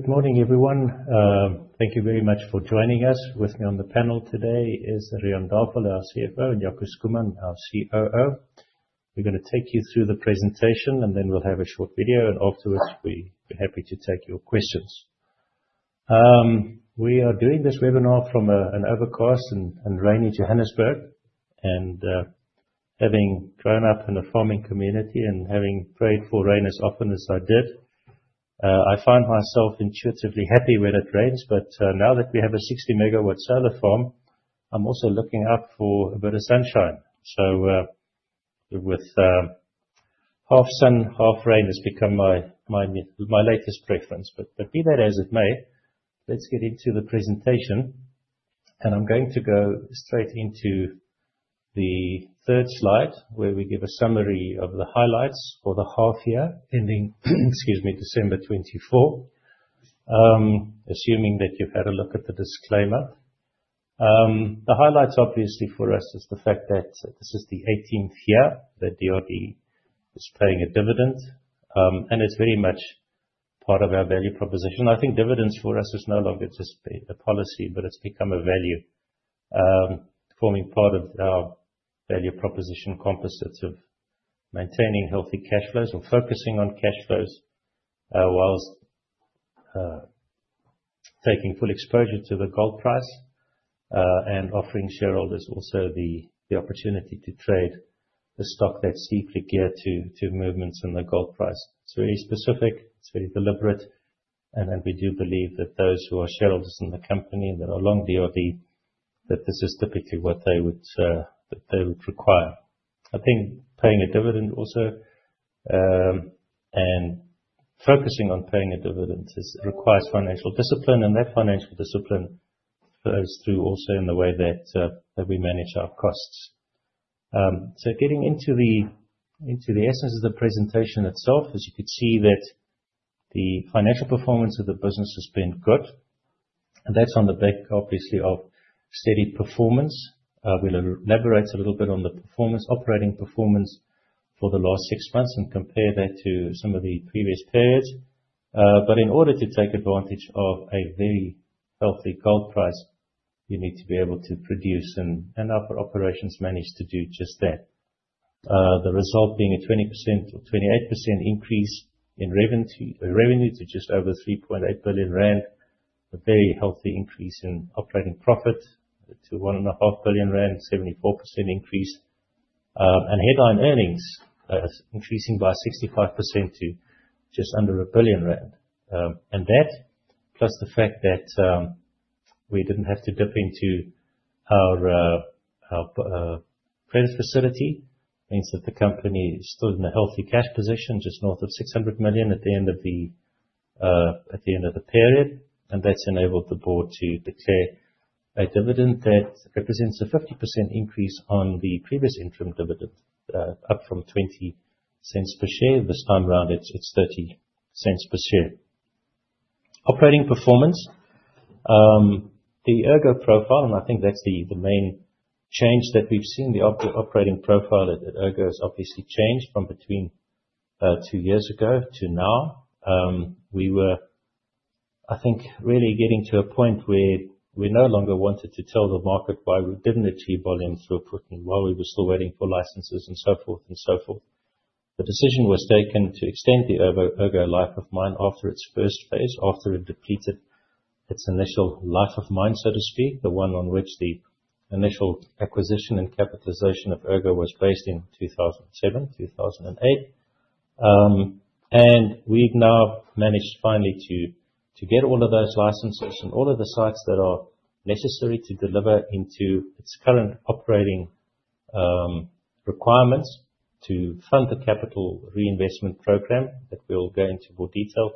Good morning, everyone. Thank you very much for joining us. With me on the panel today is Riaan Davel, our CFO, and Jaco Schoeman, our COO. We're going to take you through the presentation, and then we'll have a short video, and afterwards we'll be happy to take your questions. We are doing this webinar from an overcast and rainy Johannesburg, and having grown up in a farming community and having prayed for rain as often as I did, I find myself intuitively happy when it rains. But now that we have a 60 MW solar farm, I'm also looking out for a bit of sunshine. So with half sun, half rain, it's become my latest preference. But be that as it may, let's get into the presentation. I'm going to go straight into the third slide, where we give a summary of the highlights for the half-year ending, excuse me, December 24, assuming that you've had a look at the disclaimer. The highlights, obviously, for us, is the fact that this is the 18th year that DRDGOLD is paying a dividend, and it's very much part of our value proposition. I think dividends for us is no longer just a policy, but it's become a value, forming part of our value proposition composites of maintaining healthy cash flows or focusing on cash flows whilst taking full exposure to the gold price and offering shareholders also the opportunity to trade the stock that's deeply geared to movements in the gold price. It's very specific, it's very deliberate, and we do believe that those who are shareholders in the company that are long DRDG, that this is typically what they would require. I think paying a dividend also and focusing on paying a dividend requires financial discipline, and that financial discipline flows through also in the way that we manage our costs. So getting into the essence of the presentation itself, as you could see, that the financial performance of the business has been good, and that's on the back, obviously, of steady performance. We'll elaborate a little bit on the performance, operating performance for the last six months and compare that to some of the previous periods. But in order to take advantage of a very healthy gold price, you need to be able to produce, and our operations manage to do just that. The result being a 20% or 28% increase in revenue to just over 3.8 billion rand, a very healthy increase in operating profit to 1.5 billion rand, 74% increase, and headline earnings increasing by 65% to just under 1 billion rand. And that, plus the fact that we didn't have to dip into our credit facility, means that the company is still in a healthy cash position, just north of 600 million at the end of the period, and that's enabled the board to declare a dividend that represents a 50% increase on the previous interim dividend, up from 0.20 per share. This time around, it's 0.30 per share. Operating performance, the Ergo profile, and I think that's the main change that we've seen. The operating profile at Ergo has obviously changed from between two years ago to now. We were, I think, really getting to a point where we no longer wanted to tell the market why we didn't achieve volume through booking, why we were still waiting for licenses and so forth and so forth. The decision was taken to extend the Ergo life of mine after its first phase, after it depleted its initial life of mine, so to speak, the one on which the initial acquisition and capitalization of Ergo was based in 2007, 2008. And we've now managed finally to get all of those licenses and all of the sites that are necessary to deliver into its current operating requirements to fund the capital reinvestment program that we'll go into more detail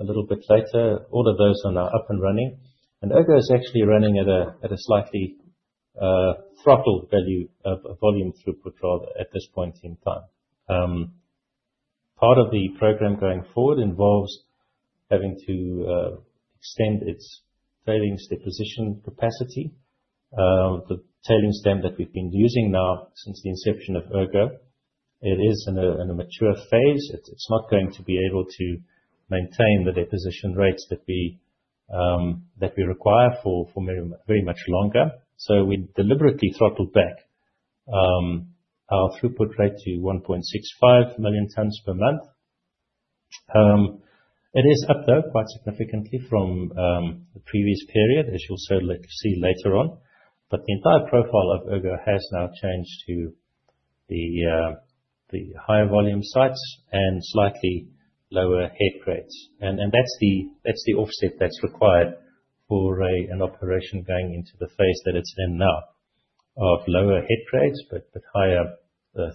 a little bit later. All of those are now up and running, and Ergo is actually running at a slightly throttled volume throughput rather at this point in time. Part of the program going forward involves having to extend its tailings deposition capacity. The tailings dam that we've been using now since the inception of Ergo is in a mature phase. It's not going to be able to maintain the deposition rates that we require for very much longer, so we deliberately throttled back our throughput rate to 1.65 million tons per month. It is up, though, quite significantly from the previous period, as you'll see later on, but the entire profile of Ergo has now changed to the higher volume sites and slightly lower head grades. And that's the offset that's required for an operation going into the phase that it's in now of lower head grades but higher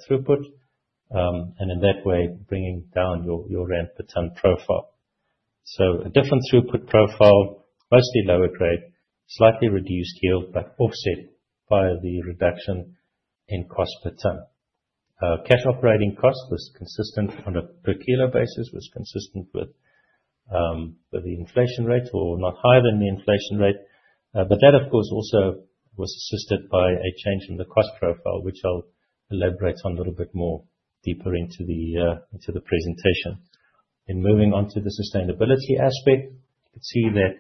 throughput, and in that way, bringing down your rand per ton profile. So a different throughput profile, mostly lower grade, slightly reduced yield, but offset by the reduction in cost per ton. Cash operating cost was consistent on a per kilo basis, was consistent with the inflation rate or not higher than the inflation rate. But that, of course, also was assisted by a change in the cost profile, which I'll elaborate on a little bit more deeper into the presentation. And moving on to the sustainability aspect, you could see that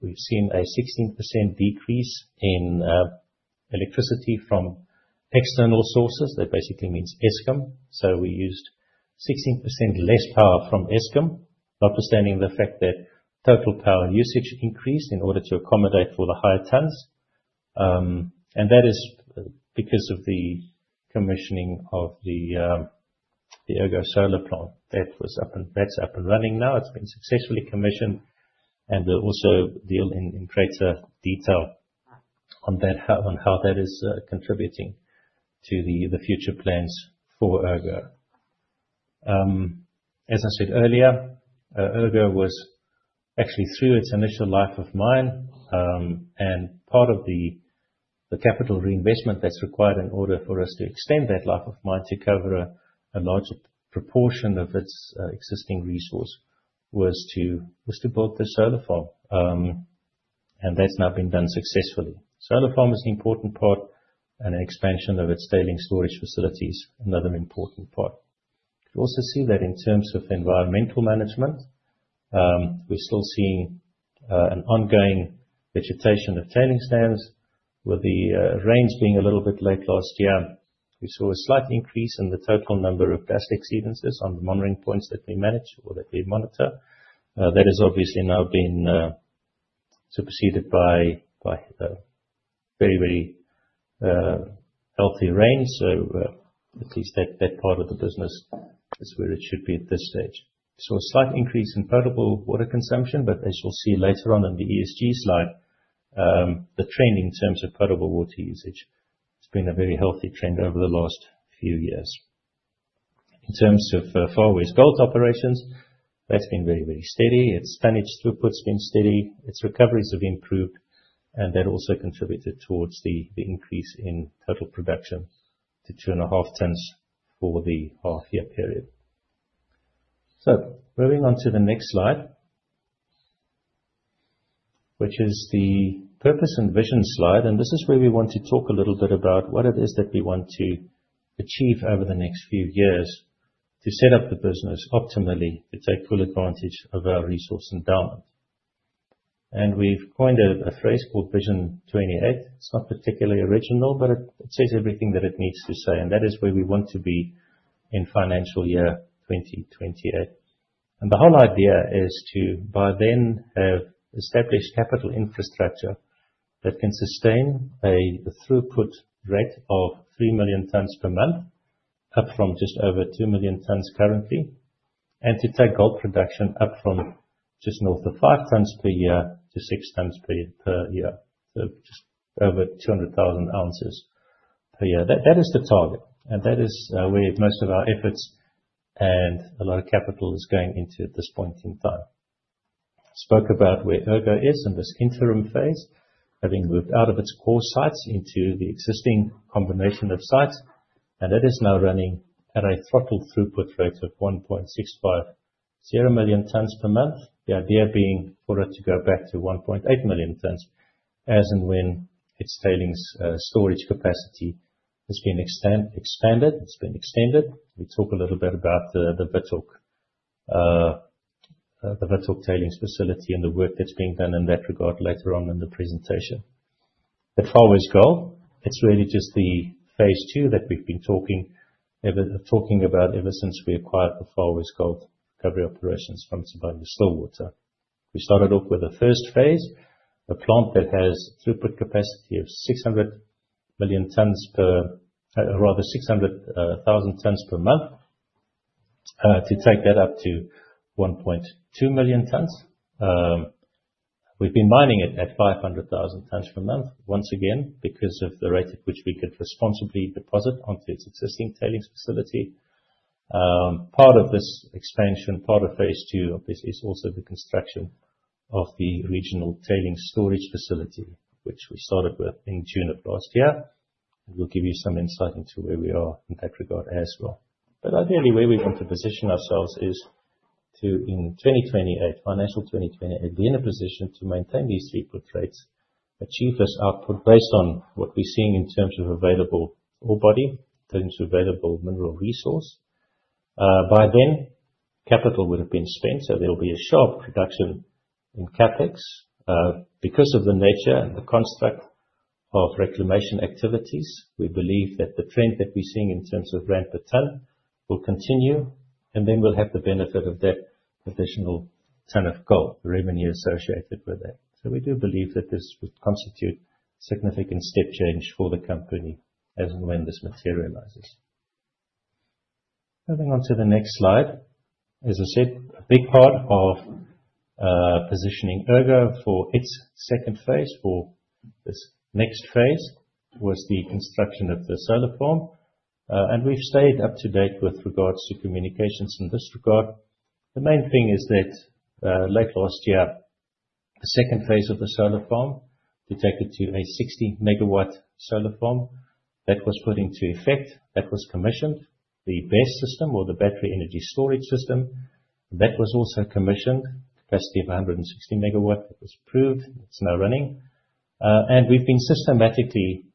we've seen a 16% decrease in electricity from external sources. That basically means Eskom. So we used 16% less power from Eskom, notwithstanding the fact that total power usage increased in order to accommodate for the higher tons. And that is because of the commissioning of the Ergo solar plant. That's up and running now. It's been successfully commissioned, and we'll also deal in greater detail on how that is contributing to the future plans for Ergo. As I said earlier, Ergo was actually through its initial life of mine and part of the capital reinvestment that's required in order for us to extend that life of mine to cover a larger proportion of its existing resource was to build this solar farm, and that's now been done successfully. Solar farm is an important part and an expansion of its tailings storage facilities, another important part. You also see that in terms of environmental management, we're still seeing an ongoing vegetation of tailings dams. With the rains being a little bit late last year, we saw a slight increase in the total number of dust exceedances on the monitoring points that we manage or that we monitor. That has obviously now been superseded by very, very healthy rain. So at least that part of the business is where it should be at this stage. We saw a slight increase in potable water consumption, but as you'll see later on in the ESG slide, the trend in terms of potable water usage has been a very healthy trend over the last few years. In terms of Far West Gold operations, that's been very, very steady. Its tonnage throughput's been steady. Its recoveries have improved, and that also contributed towards the increase in total production to 2.5 tons for the half-year period. Moving on to the next slide, which is the purpose and vision slide, and this is where we want to talk a little bit about what it is that we want to achieve over the next few years to set up the business optimally to take full advantage of our resource endowment. We've coined a phrase called Vision 28. It's not particularly original, but it says everything that it needs to say, and that is where we want to be in financial year 2028. The whole idea is to by then have established capital infrastructure that can sustain a throughput rate of three million tons per month, up from just over two million tons currently, and to take gold production up from just north of five tons per year to six tons per year, so just over 200,000 ounces per year. That is the target, and that is where most of our efforts and a lot of capital is going into at this point in time. I spoke about where Ergo is in this interim phase, having moved out of its core sites into the existing combination of sites, and it is now running at a throttled throughput rate of 1.650 million tons per month, the idea being for it to go back to 1.8 million tons as and when its tailings storage capacity has been expanded. It's been extended. We talk a little bit about the Withok Tailings Facility and the work that's being done in that regard later on in the presentation. At Far West Gold, it's really just the phase two that we've been talking about ever since we acquired the Far West Gold Recovery Operations from Sibanye-Stillwater. We started off with a first phase, a plant that has a throughput capacity of 600 million tons per, rather 600,000 tons per month, to take that up to 1.2 million tons. We've been mining it at 500,000 tons per month, once again, because of the rate at which we could responsibly deposit onto its existing tailings facility. Part of this expansion, part of phase two, obviously, is also the construction of the Regional Tailings Storage Facility, which we started with in June of last year. It will give you some insight into where we are in that regard as well. But ideally, where we want to position ourselves is to, in 2028, financial 2028, be in a position to maintain these throughput rates, achieve this output based on what we're seeing in terms of available ore body, in terms of available mineral resource. By then, capital would have been spent, so there will be a sharp reduction in CapEx. Because of the nature and the construct of reclamation activities, we believe that the trend that we're seeing in terms of ramp per ton will continue, and then we'll have the benefit of that additional ton of gold, the revenue associated with that. So we do believe that this would constitute a significant step change for the company as and when this materializes. Moving on to the next slide. As I said, a big part of positioning Ergo for its second phase, for this next phase, was the construction of the solar farm, and we've stayed up to date with regards to communications in this regard. The main thing is that late last year, the second phase of the solar farm extended to a 60-MW solar farm that was put into effect, that was commissioned, the BESS system or the battery energy storage system, that was also commissioned, capacity of 160 MW. It was approved. It's now running, and we've systematically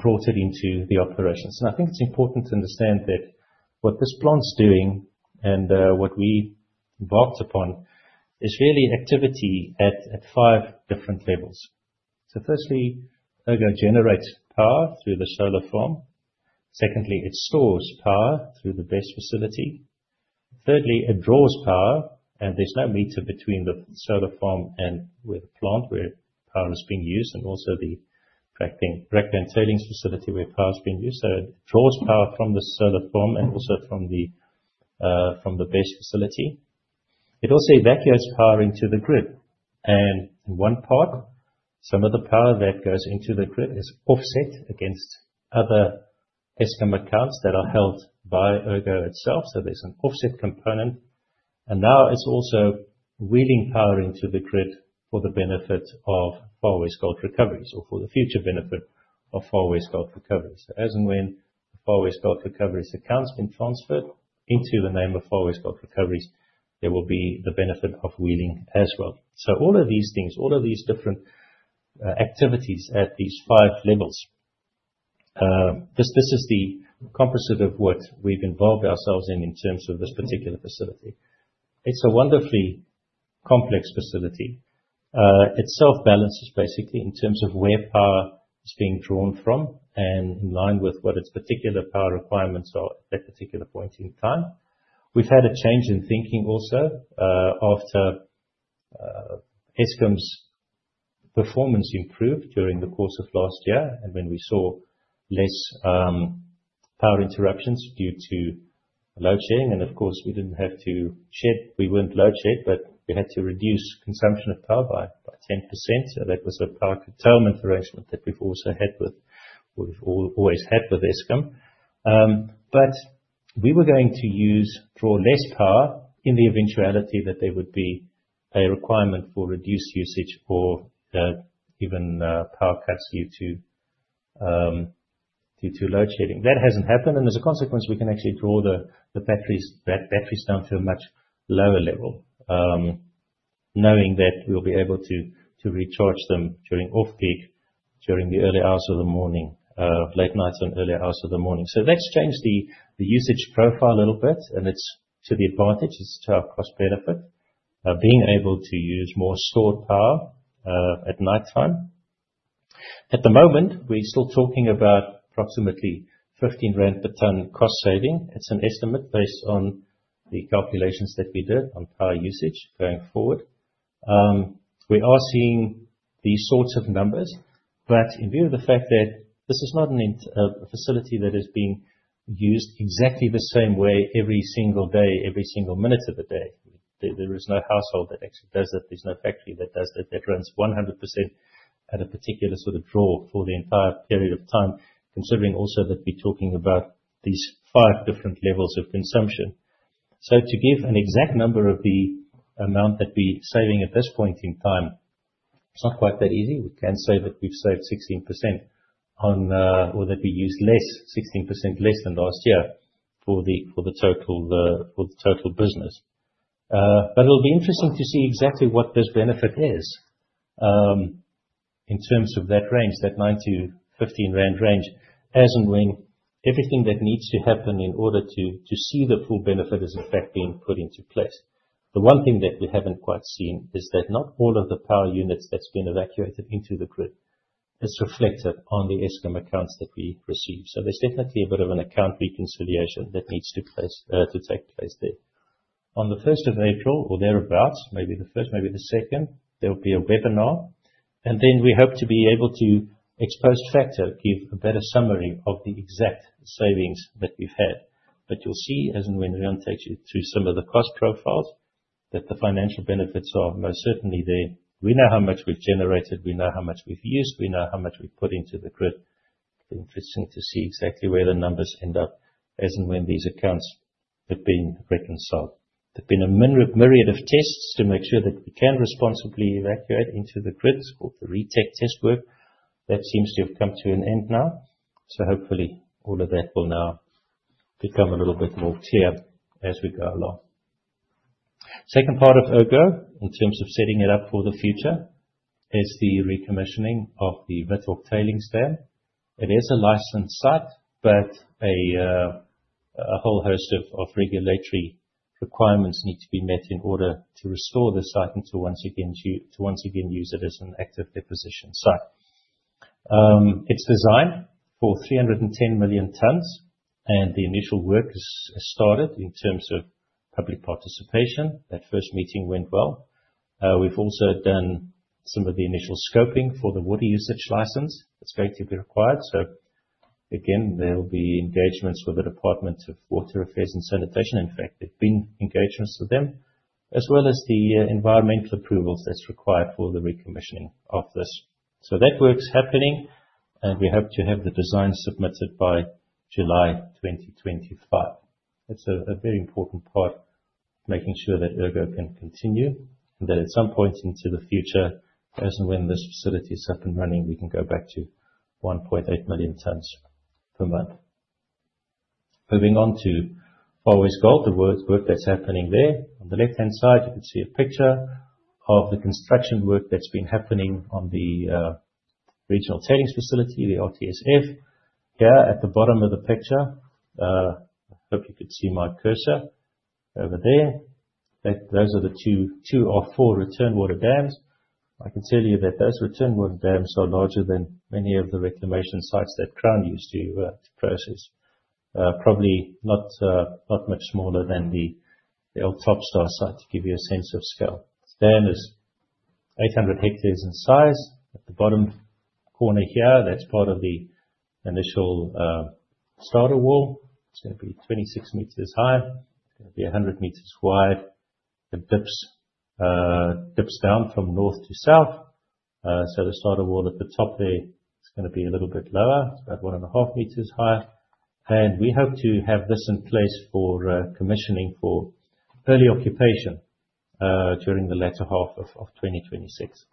brought it into the operations. I think it's important to understand that what this plant's doing and what we embarked upon is really activity at five different levels. Firstly, Ergo generates power through the solar farm. Secondly, it stores power through the BESS facility. Thirdly, it draws power, and there's no meter between the solar farm and the plant where power is being used and also the regional tailings facility where power's being used. It draws power from the solar farm and also from the BESS facility. It also evacuates power into the grid, and in one part, some of the power that goes into the grid is offset against other Eskom accounts that are held by Ergo itself. So there's an offset component, and now it's also wheeling power into the grid for the benefit of Far West Gold Recoveries or for the future benefit of Far West Gold Recoveries. So as and when Far West Gold Recoveries' accounts been transferred into the name of Far West Gold Recoveries, there will be the benefit of wheeling as well. So all of these things, all of these different activities at these five levels, this is the composite of what we've involved ourselves in in terms of this particular facility. It's a wonderfully complex facility. It self-balances basically in terms of where power is being drawn from and in line with what its particular power requirements are at that particular point in time. We've had a change in thinking also after Eskom's performance improved during the course of last year and when we saw less power interruptions due to load shedding, and of course, we didn't have to shed. We weren't load shed, but we had to reduce consumption of power by 10%, so that was a power curtailment arrangement that we've also had with, or we've always had with Eskom, but we were going to draw less power in the eventuality that there would be a requirement for reduced usage or even power cuts due to load shedding. That hasn't happened, and as a consequence, we can actually draw the batteries down to a much lower level, knowing that we'll be able to recharge them during off-peak, during the early hours of the morning, late nights and early hours of the morning. So that's changed the usage profile a little bit, and it's to the advantage. It's to our cost benefit, being able to use more stored power at nighttime. At the moment, we're still talking about approximately 15 rand per ton cost saving. It's an estimate based on the calculations that we did on power usage going forward. We are seeing these sorts of numbers, but in view of the fact that this is not a facility that is being used exactly the same way every single day, every single minute of the day, there is no household that actually does it. There's no factory that does it that runs 100% at a particular sort of draw for the entire period of time, considering also that we're talking about these five different levels of consumption. So to give an exact number of the amount that we're saving at this point in time, it's not quite that easy. We can say that we've saved 16% on, or that we use less, 16% less than last year for the total business. But it'll be interesting to see exactly what this benefit is in terms of that range, that 9-15 rand range, as and when everything that needs to happen in order to see the full benefit is, in fact, being put into place. The one thing that we haven't quite seen is that not all of the power units that's been evacuated into the grid is reflected on the Eskom accounts that we receive. So there's definitely a bit of an account reconciliation that needs to take place there. On the 1st of April, or thereabouts, maybe the 1st, maybe the 2nd, there'll be a webinar, and then we hope to be able to ex post facto give a better summary of the exact savings that we've had. But you'll see, as and when Riaan takes you through some of the cost profiles, that the financial benefits are most certainly there. We know how much we've generated. We know how much we've used. We know how much we've put into the grid. It'll be interesting to see exactly where the numbers end up as and when these accounts have been reconciled. There've been a myriad of tests to make sure that we can responsibly evacuate into the grid, called the RETEC test work. That seems to have come to an end now, so hopefully all of that will now become a little bit more clear as we go along. Second part of Ergo in terms of setting it up for the future is the recommissioning of the Withok Tailings Dam. It is a licensed site, but a whole host of regulatory requirements need to be met in order to restore the site and to once again use it as an active deposition site. It's designed for 310 million tons, and the initial work has started in terms of public participation. That first meeting went well. We've also done some of the initial scoping for the water usage license. It's going to be required. So again, there'll be engagements with the Department of Water Affairs and Sanitation. In fact, there've been engagements with them, as well as the environmental approvals that's required for the recommissioning of this. So that work's happening, and we hope to have the design submitted by July 2025. That's a very important part of making sure that Ergo can continue and that at some point into the future, as and when this facility is up and running, we can go back to 1.8 million tons per month. Moving on to Far West Gold, the work that's happening there. On the left-hand side, you can see a picture of the construction work that's been happening on the regional tailings facility, the RTSF. Here at the bottom of the picture, I hope you can see my cursor over there. Those are the two or four return water dams. I can tell you that those return water dams are larger than many of the reclamation sites that Crown used to process, probably not much smaller than the old Top Star site, to give you a sense of scale. The dam is 800 hectares in size. At the bottom corner here, that's part of the initial starter wall. It's going to be 26 meters high. It's going to be 100 meters wide. It dips down from north to south, so the starter wall at the top there is going to be a little bit lower, about one and a half meters high, and we hope to have this in place for commissioning for early occupation during the latter half of 2026.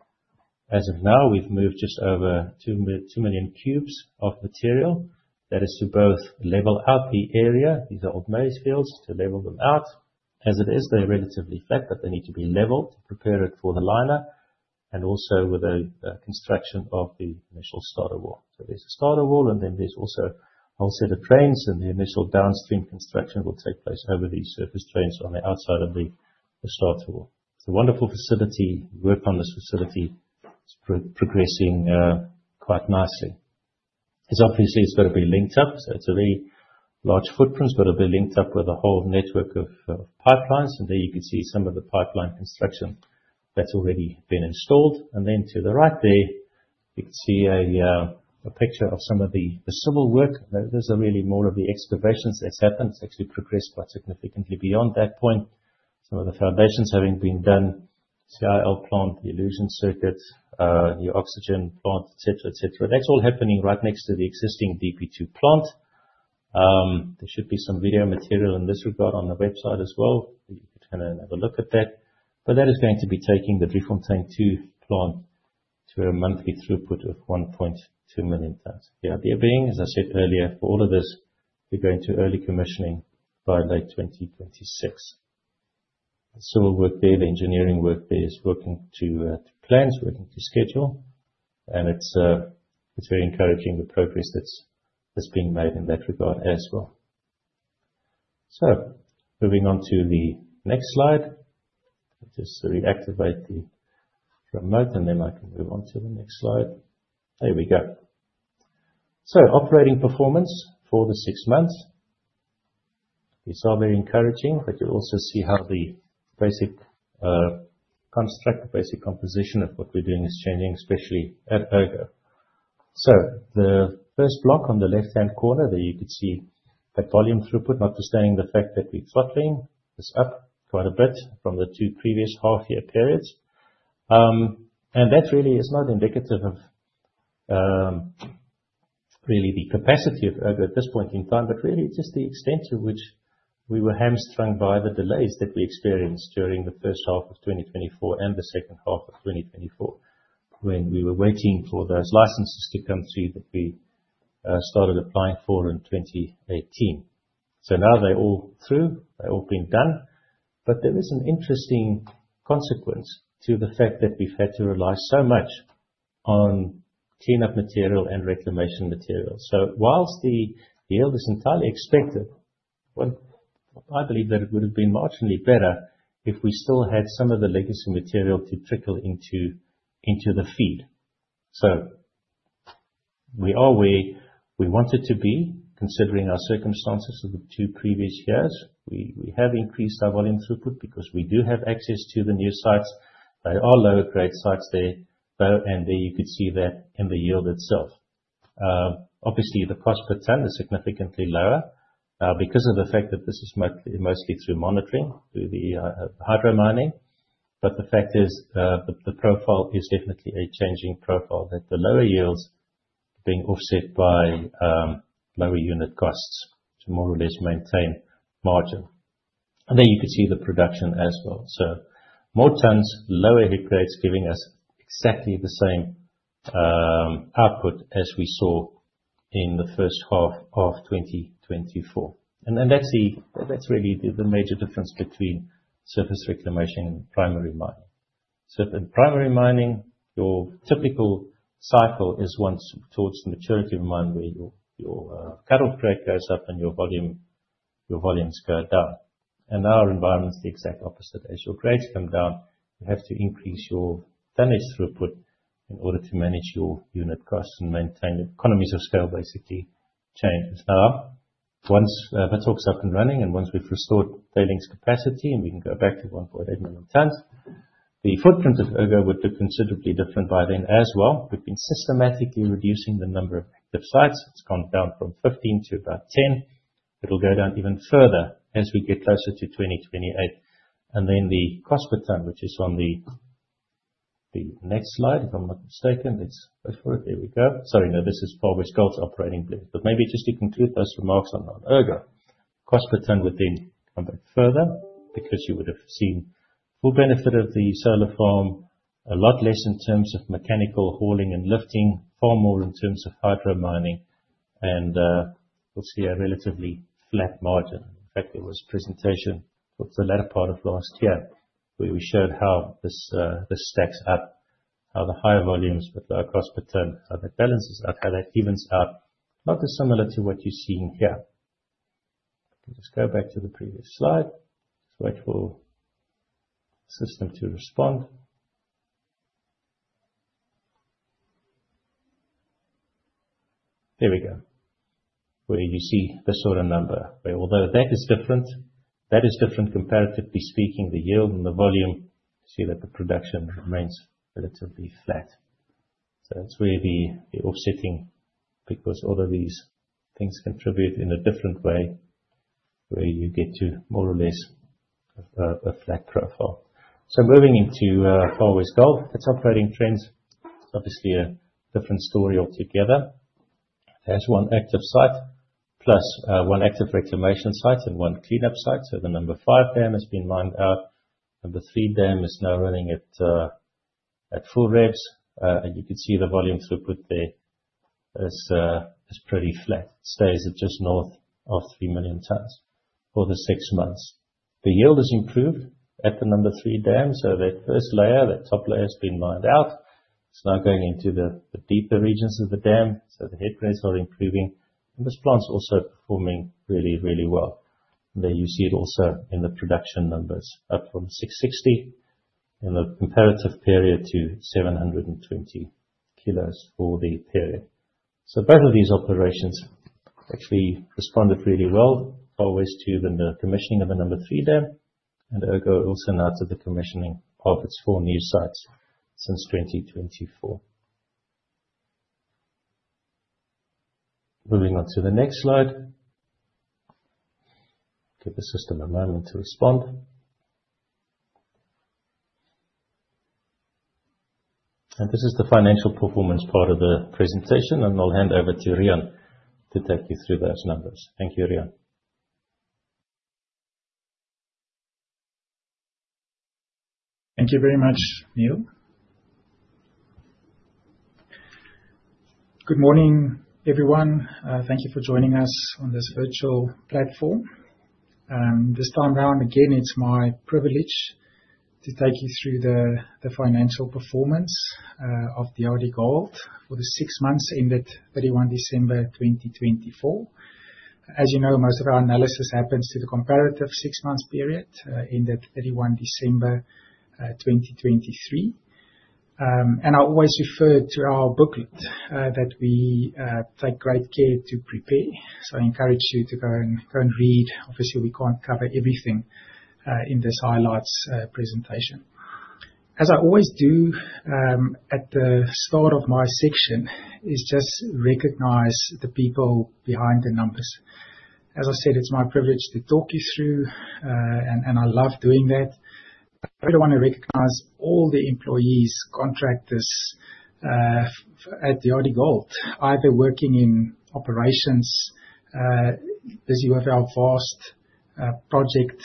As of now, we've moved just over 2 million cubes of material. That is to both level out the area. These are old maize fields to level them out. As it is, they're relatively flat, but they need to be leveled to prepare it for the liner and also with the construction of the initial starter wall. So there's a starter wall, and then there's also a whole set of drains, and the initial downstream construction will take place over these surface drains on the outside of the starter wall. It's a wonderful facility. Work on this facility is progressing quite nicely. Obviously, it's got to be linked up, so it's a very large footprint. It's got to be linked up with a whole network of pipelines, and there you can see some of the pipeline construction that's already been installed. And then to the right there, you can see a picture of some of the civil work. There's really more of the excavations that's happened. It's actually progressed quite significantly beyond that point. Some of the foundations having been done, CIL plant, the elution circuit, the oxygen plant, etc., etc. That's all happening right next to the existing DP2 plant. There should be some video material in this regard on the website as well. You can kind of have a look at that. But that is going to be taking the Driefontein 2 plant to a monthly throughput of 1.2 million tons. The idea being, as I said earlier, for all of this, we're going to early commissioning by late 2026. Civil work there, the engineering work there, is working to plan, is working to schedule, and it's very encouraging the progress that's being made in that regard as well. So moving on to the next slide. I'll just reactivate the remote, and then I can move on to the next slide. There we go. So operating performance for the six months. These are very encouraging, but you'll also see how the basic construct, the basic composition of what we're doing is changing, especially at Ergo. The first block on the left-hand corner, there you can see that volume throughput, notwithstanding the fact that we're throttling, is up quite a bit from the two previous half-year periods. That really is not indicative of really the capacity of Ergo at this point in time, but really just the extent to which we were hamstrung by the delays that we experienced during the first half of 2024 and the second half of 2024 when we were waiting for those licenses to come through that we started applying for in 2018. Now they're all through. They've all been done, but there is an interesting consequence to the fact that we've had to rely so much on cleanup material and reclamation material. While the yield is entirely expected, I believe that it would have been marginally better if we still had some of the legacy material to trickle into the feed. So we are where we want it to be, considering our circumstances of the two previous years. We have increased our volume throughput because we do have access to the new sites. They are lower-grade sites there, and there you could see that in the yield itself. Obviously, the cost per ton is significantly lower because of the fact that this is mostly through monitors, through the hydro mining. But the fact is the profile is definitely a changing profile that the lower yields are being offset by lower unit costs to more or less maintain margin. And there you can see the production as well. So more tons, lower head grades, giving us exactly the same output as we saw in the first half of 2024. And that's really the major difference between surface reclamation and primary mining. So in primary mining, your typical cycle is once towards the maturity of a mine where your cut-off grade goes up and your volumes go down. In our environment, it's the exact opposite. As your grades come down, you have to increase your tonnage throughput in order to manage your unit costs and maintain the economies of scale, basically, change. Now, once Withok's up and running and once we've restored tailings capacity and we can go back to 1.8 million tons, the footprint of Ergo would look considerably different by then as well. We've been systematically reducing the number of active sites. It's gone down from 15 to about 10. It'll go down even further as we get closer to 2028. And then the cost per ton, which is on the next slide, if I'm not mistaken, let's go for it. There we go. Sorry, no, this is Far West Gold's operating blend. But maybe just to conclude those remarks on Ergo, cost per ton would then come back further because you would have seen full benefit of the solar farm, a lot less in terms of mechanical hauling and lifting, far more in terms of hydro mining, and we'll see a relatively flat margin. In fact, there was a presentation of the latter part of last year where we showed how this stacks up, how the high volumes with low cost per ton how that balances out, how that evens out, not dissimilar to what you're seeing here. Just go back to the previous slide. Just wait for the system to respond. There we go. Where you see this sort of number, where although that is different, that is different comparatively speaking, the yield and the volume, you see that the production remains relatively flat. That's where the offsetting, because all of these things contribute in a different way, where you get to more or less a flat profile, so moving into Far West Gold, its operating trends, it's obviously a different story altogether. There's one active site, plus one active reclamation site and one cleanup site. The Number 5 Dam has been mined out. Number 3 Dam is now running at full revs, and you can see the volume throughput there is pretty flat. It stays at just north of 3 million tons for the six months. The yield has improved at the Number 3 Dam. That first layer, that top layer has been mined out. It's now going into the deeper regions of the dam. So the head grades are improving. And this plant's also performing really, really well. And there you see it also in the production numbers, up from 660 in the comparative period to 720 kilos for the period. So both of these operations actually responded really well, always to the commissioning of the Number 3 Dam. And Ergo also now to the commissioning of its four new sites since 2024. Moving on to the next slide. Give the system a moment to respond. And this is the financial performance part of the presentation, and I'll hand over to Riaan to take you through those numbers. Thank you, Riaan. Thank you very much, Niël. Good morning, everyone. Thank you for joining us on this virtual platform. This time around, again, it's my privilege to take you through the financial performance of DRDGOLD for the six months ended 31 December 2024. As you know, most of our analysis happens to the comparative six-month period ended 31 December 2023, and I always refer to our booklet that we take great care to prepare, so I encourage you to go and read. Obviously, we can't cover everything in this highlights presentation. As I always do at the start of my section, is just recognize the people behind the numbers. As I said, it's my privilege to talk you through, and I love doing that. I really want to recognize all the employees, contractors at DRDGOLD, either working in operations, busy with our vast project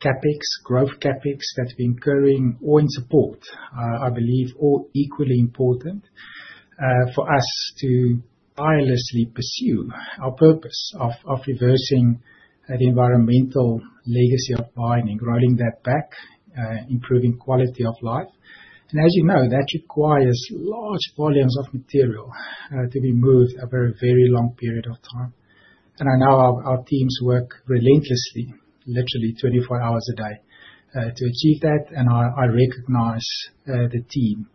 CapEx, growth CapEx that we're incurring, or in support. I believe all equally important for us to tirelessly pursue our purpose of reversing the environmental legacy of mining, rolling that back, improving quality of life, and as you know, that requires large volumes of material to be moved over a very long period of time, and I know our teams work relentlessly, literally 24 hours a day, to achieve that, and I recognize the team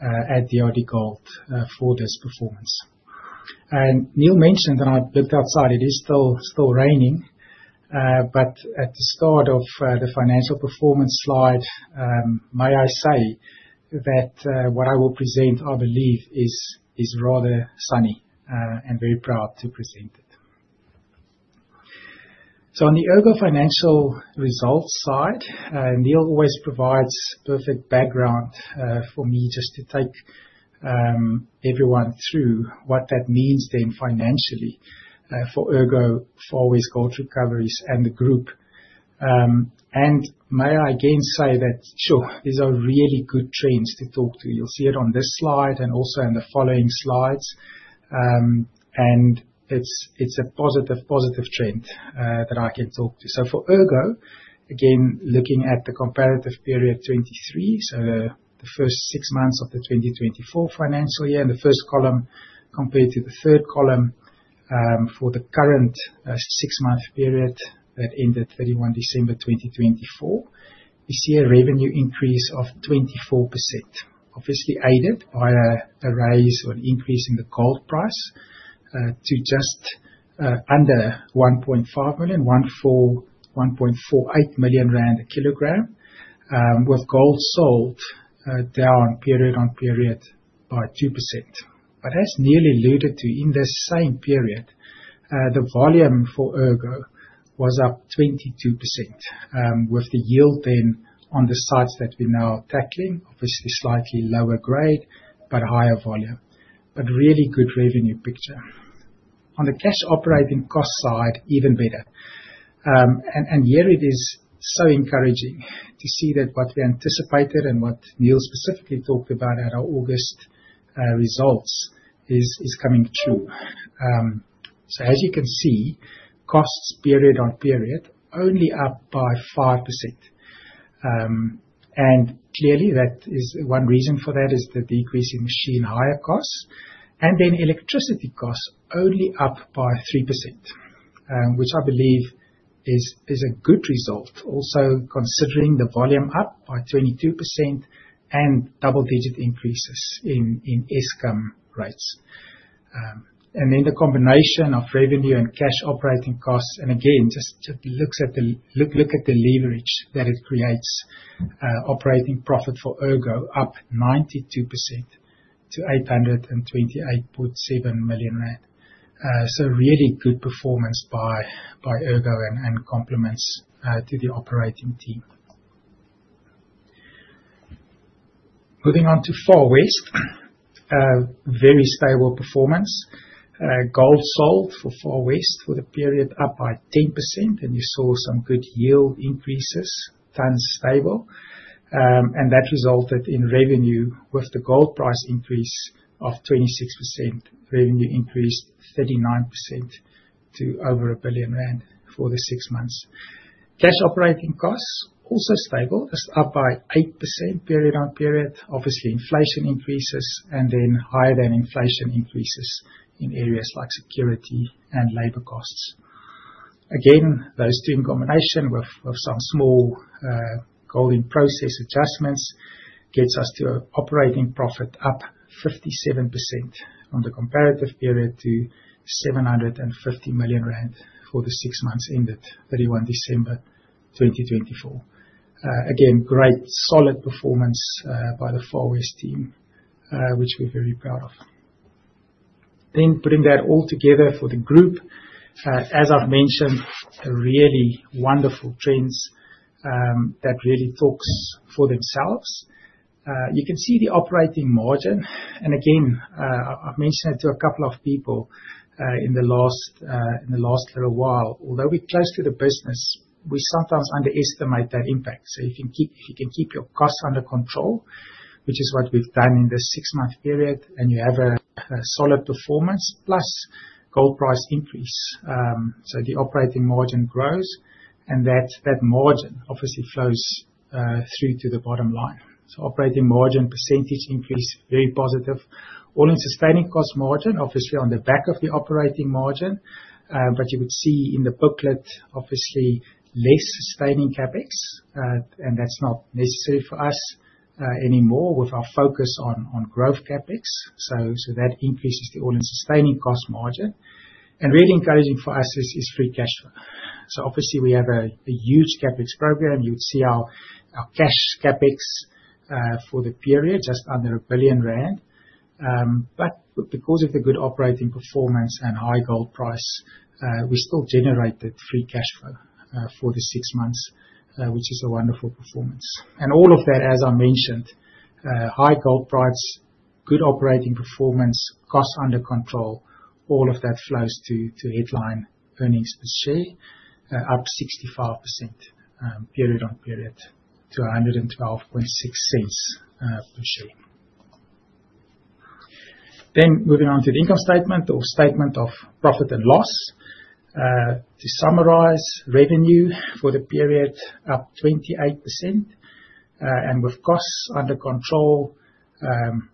at DRDGOLD for this performance, and Niël mentioned that I looked outside. It is still raining, but at the start of the financial performance slide, may I say that what I will present, I believe, is rather sunny and very proud to present it, so on the Ergo financial results side, Niël always provides perfect background for me just to take everyone through what that means then financially for Ergo, Far West Gold Recoveries, and the group. And may I again say that, sure, these are really good trends to talk to. You'll see it on this slide and also in the following slides. And it's a positive, positive trend that I can talk to. So for Ergo, again, looking at the comparative period 2023, so the first six months of the 2023 financial year, and the first column compared to the third column for the current six-month period that ended 31 December 2023, we see a revenue increase of 24%, obviously aided by a raise or an increase in the gold price to just under 1.5 million, 1.48 million rand a kilogram, with gold sold down period on period by 2%. But as Niël alluded to, in this same period, the volume for Ergo was up 22%, with the yield then on the sites that we're now tackling, obviously slightly lower grade, but higher volume, but really good revenue picture. On the cash operating cost side, even better. And yeah, it is so encouraging to see that what we anticipated and what Niël specifically talked about at our August results is coming true. So as you can see, costs, period on period, only up by 5%. And clearly, that is one reason for that is the decrease in machine hire costs. And then electricity costs only up by 3%, which I believe is a good result, also considering the volume up by 22% and double-digit increases in Eskom rates. And then the combination of revenue and cash operating costs, and again, just look at the leverage that it creates, operating profit for Ergo up 92% to 828.7 million rand. So really good performance by Ergo and compliments to the operating team. Moving on to Far West, very stable performance. Gold sold for Far West for the period up by 10%, and you saw some good yield increases, tons stable. And that resulted in revenue with the gold price increase of 26%, revenue increased 39% to over 1 billion rand for the six months. Cash operating costs also stable, just up by 8% period on period. Obviously, inflation increases and then higher than inflation increases in areas like security and labor costs. Again, those two in combination with some small gold-in-process adjustments gets us to operating profit up 57% on the comparative period to 750 million rand for the six months ended 31 December 2024. Again, great solid performance by the Far West team, which we're very proud of, then putting that all together for the group, as I've mentioned, really wonderful trends that really talk for themselves. You can see the operating margin, and again, I've mentioned it to a couple of people in the last little while. Although we're close to the business, we sometimes underestimate that impact, so if you can keep your costs under control, which is what we've done in this six-month period, and you have a solid performance plus gold price increase, so the operating margin grows, and that margin obviously flows through to the bottom line, so operating margin percentage increase, very positive. All-in sustaining cost margin, obviously on the back of the operating margin. But you would see in the booklet, obviously less sustaining CapEx, and that's not necessary for us anymore with our focus on growth CapEx. So that increases the all-in sustaining cost margin. And really encouraging for us is free cash flow. So obviously, we have a huge CapEx program. You would see our cash CapEx for the period just under 1 billion rand. But because of the good operating performance and high gold price, we still generated free cash flow for the six months, which is a wonderful performance. And all of that, as I mentioned, high gold price, good operating performance, cost under control, all of that flows to Headline Earnings per Share, up 65% period on period to 1.126 per share. Then moving on to the income statement or statement of profit and loss. To summarize, revenue for the period up 28%, and with costs under control,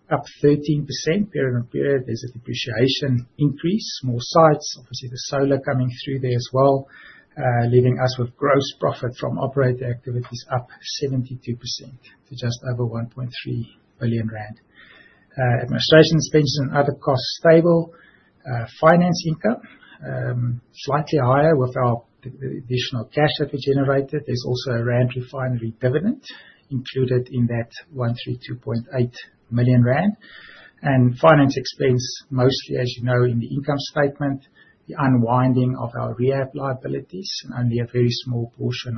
up 13% period on period. There's a depreciation increase, more sites. Obviously, the solar coming through there as well, leaving us with gross profit from operating activities up 72% to just over 1.3 billion rand. Administration expenses and other costs stable. Finance income slightly higher with our additional cash that we generated. There's also a Rand Refinery dividend included in that 132.8 million rand. And finance expense, mostly, as you know, in the income statement, the unwinding of our rehab liabilities, and only a very small portion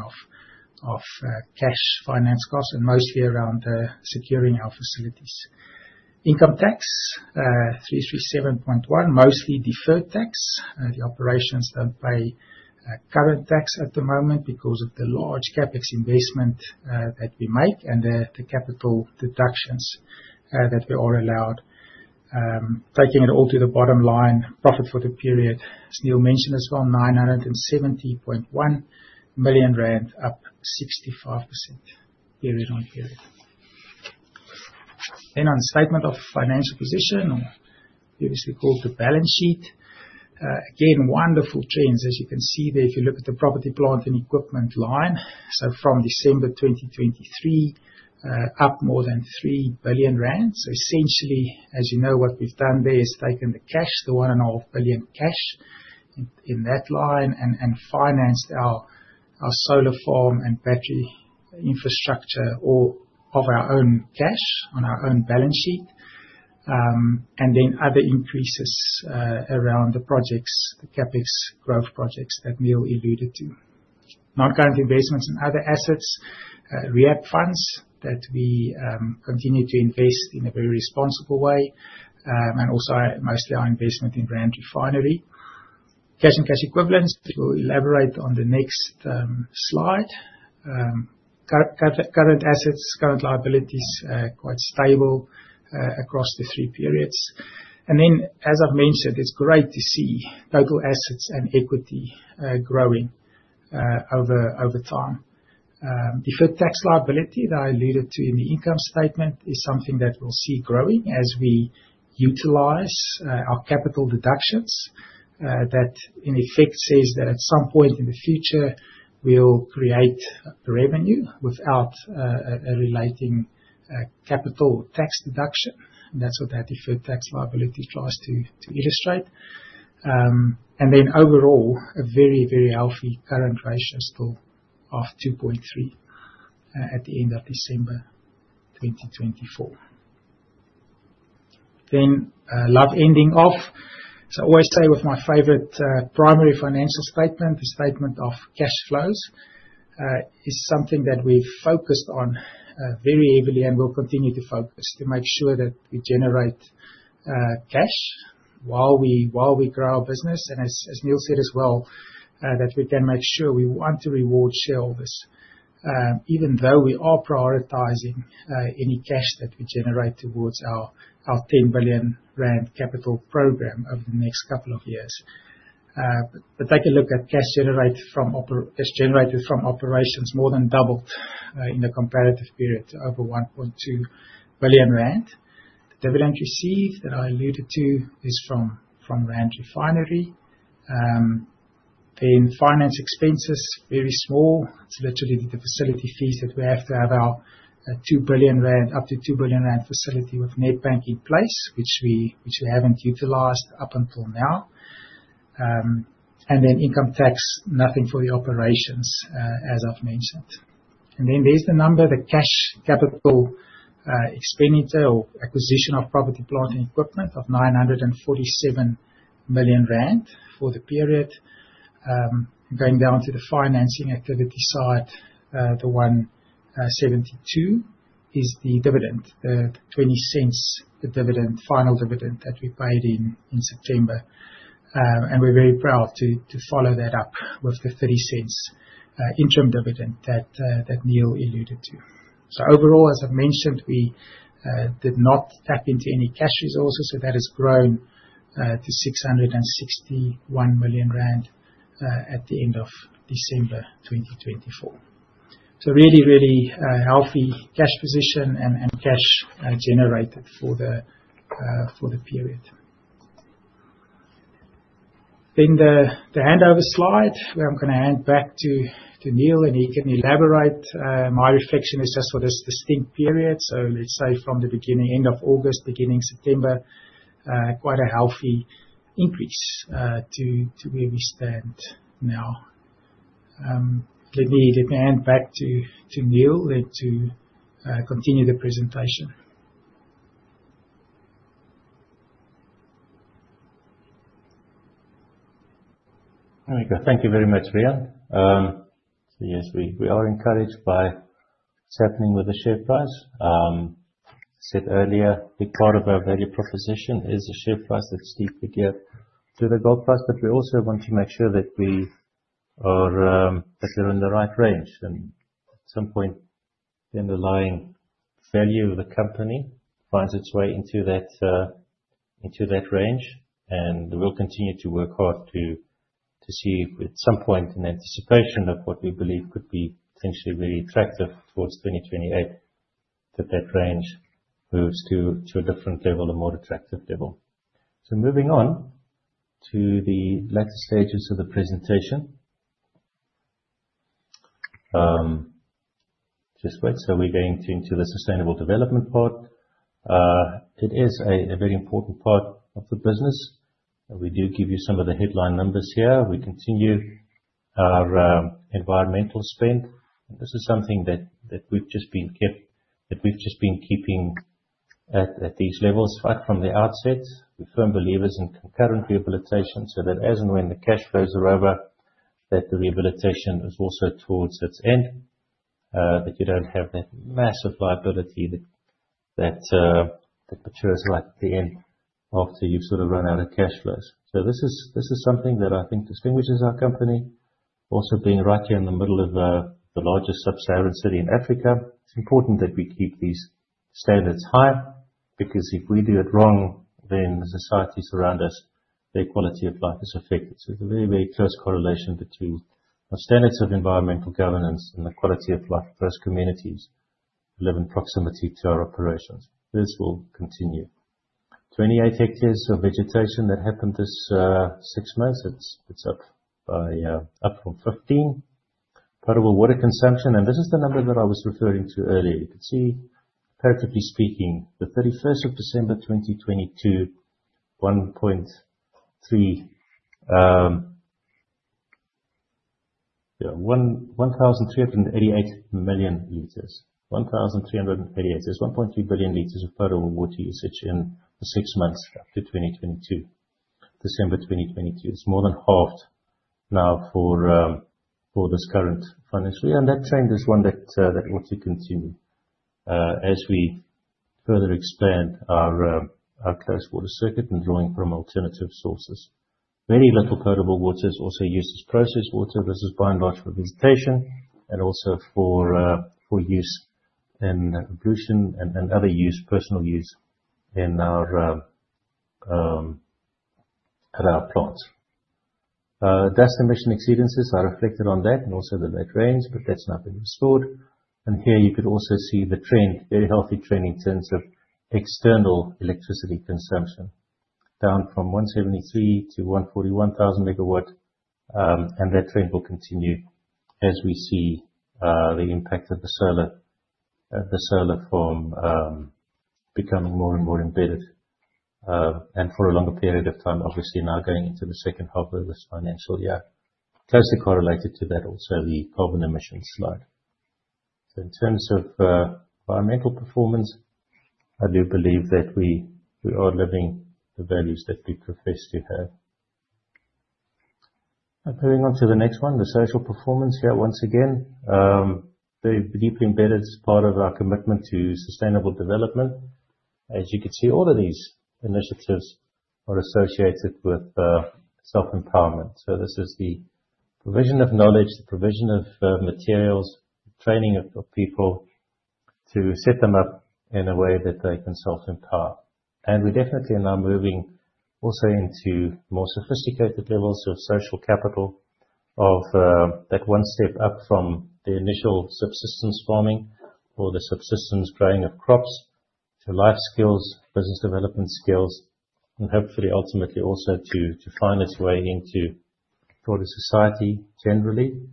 of cash finance costs, and mostly around securing our facilities. Income tax, 337.1 million, mostly deferred tax. The operations don't pay current tax at the moment because of the large CapEx investment that we make and the capital deductions that we are allowed. Taking it all to the bottom line, profit for the period, as Niël mentioned as well, ZAR 970.1 million, up 65% period on period. Then on statement of financial position, previously called the balance sheet. Again, wonderful trends, as you can see there. If you look at the property, plant and equipment line, so from December 2023, up more than 3 billion rand. So essentially, as you know, what we've done there is taken the cash, the 1.5 billion cash in that line, and financed our solar farm and battery infrastructure of our own cash on our own balance sheet. And then other increases around the projects, the CapEx growth projects that Niël alluded to. Non-current investments and other assets, rehab funds that we continue to invest in a very responsible way, and also mostly our investment in Rand Refinery. Cash and cash equivalents, which we'll elaborate on the next slide. Current assets, current liabilities, quite stable across the three periods. Then, as I've mentioned, it's great to see total assets and equity growing over time. Deferred tax liability that I alluded to in the income statement is something that we'll see growing as we utilize our capital deductions. That in effect says that at some point in the future, we'll create revenue without a relating capital tax deduction. That's what that deferred tax liability tries to illustrate. Then overall, a very, very healthy current ratio still of 2.3 at the end of December 2024. Then live ending off. As I always say with my favorite primary financial statement, the statement of cash flows is something that we've focused on very heavily and will continue to focus to make sure that we generate cash while we grow our business. And as Niël said as well, that we can make sure we want to reward shareholders, even though we are prioritizing any cash that we generate towards our 10 billion rand capital program over the next couple of years. But take a look at cash generated from operations more than doubled in the comparative period to over 1.2 billion rand. The dividend received that I alluded to is from Rand Refinery. Then finance expenses, very small. It's literally the facility fees that we have to have our 2 billion rand, up to 2 billion rand facility with Nedbank in place, which we haven't utilized up until now. And then income tax, nothing for the operations, as I've mentioned. And then there's the number, the cash capital expenditure or acquisition of property, plant and equipment of 947 million rand for the period. Going down to the financing activity side, the 172 million is the dividend, the 0.20 dividend, final dividend that we paid in September. And we're very proud to follow that up with the 0.30 interim dividend that Niël alluded to. So overall, as I've mentioned, we did not tap into any cash resources, so that has grown to 661 million rand at the end of December 2024. So really, really healthy cash position and cash generated for the period. Then the handover slide, where I'm going to hand back to Niël and he can elaborate. My reflection is just for this distinct period. So let's say from the beginning, end of August, beginning September, quite a healthy increase to where we stand now. Let me hand back to Niël then to continue the presentation. There we go. Thank you very much, Riaan. So yes, we are encouraged by what's happening with the share price. I said earlier, a big part of our value proposition is the share price that's deeper to the gold price, but we also want to make sure that we are in the right range. And at some point, the underlying value of the company finds its way into that range. And we'll continue to work hard to see at some point in anticipation of what we believe could be potentially very attractive towards 2028, that that range moves to a different level, a more attractive level. So moving on to the later stages of the presentation. So we're going into the sustainable development part. It is a very important part of the business. We do give you some of the headline numbers here. We continue our environmental spend. This is something that we've just been keeping at these levels right from the outset. We're firm believers in concurrent rehabilitation, so that as and when the cash flows are over, that the rehabilitation is also towards its end, that you don't have that massive liability that matures right at the end after you've sort of run out of cash flows. So this is something that I think distinguishes our company. Also being right here in the middle of the largest sub-Saharan city in Africa, it's important that we keep these standards high because if we do it wrong, then the societies around us, their quality of life is affected. So it's a very, very close correlation between the standards of environmental governance and the quality of life across communities who live in proximity to our operations. This will continue. 28 hectares of vegetation that happened this six months; it's up from 15. Potable water consumption, and this is the number that I was referring to earlier. You can see, comparatively speaking, the 31st of December 2022, 1,388 million liters. 1,388, so it's 1.3 billion liters of potable water usage in the six months up to December 2022. It's more than halved now for this current financial year. That trend is one that wants to continue as we further expand our closed water circuit and drawing from alternative sources. Very little potable water is also used as process water. This is by and large for visitation and also for use in ablution and other personal use at our plant. Dust emission exceedances are reflected on that and also the red range, but that's not been restored. Here you could also see the trend, very healthy trend in terms of external electricity consumption, down from 173,000 MW to 141,000 MW. That trend will continue as we see the impact of the solar from becoming more and more embedded and for a longer period of time, obviously now going into the second half of this financial year. Closely correlated to that, also the carbon emissions slide. In terms of environmental performance, I do believe that we are living the values that we profess to have. Moving on to the next one, the social performance here, once again, very deeply embedded as part of our commitment to sustainable development. As you can see, all of these initiatives are associated with self-empowerment. This is the provision of knowledge, the provision of materials, training of people to set them up in a way that they can self-empower. And we're definitely now moving also into more sophisticated levels of social capital, of that one step up from the initial subsistence farming or the subsistence growing of crops to life skills, business development skills, and hopefully ultimately also to find its way into broader society generally, in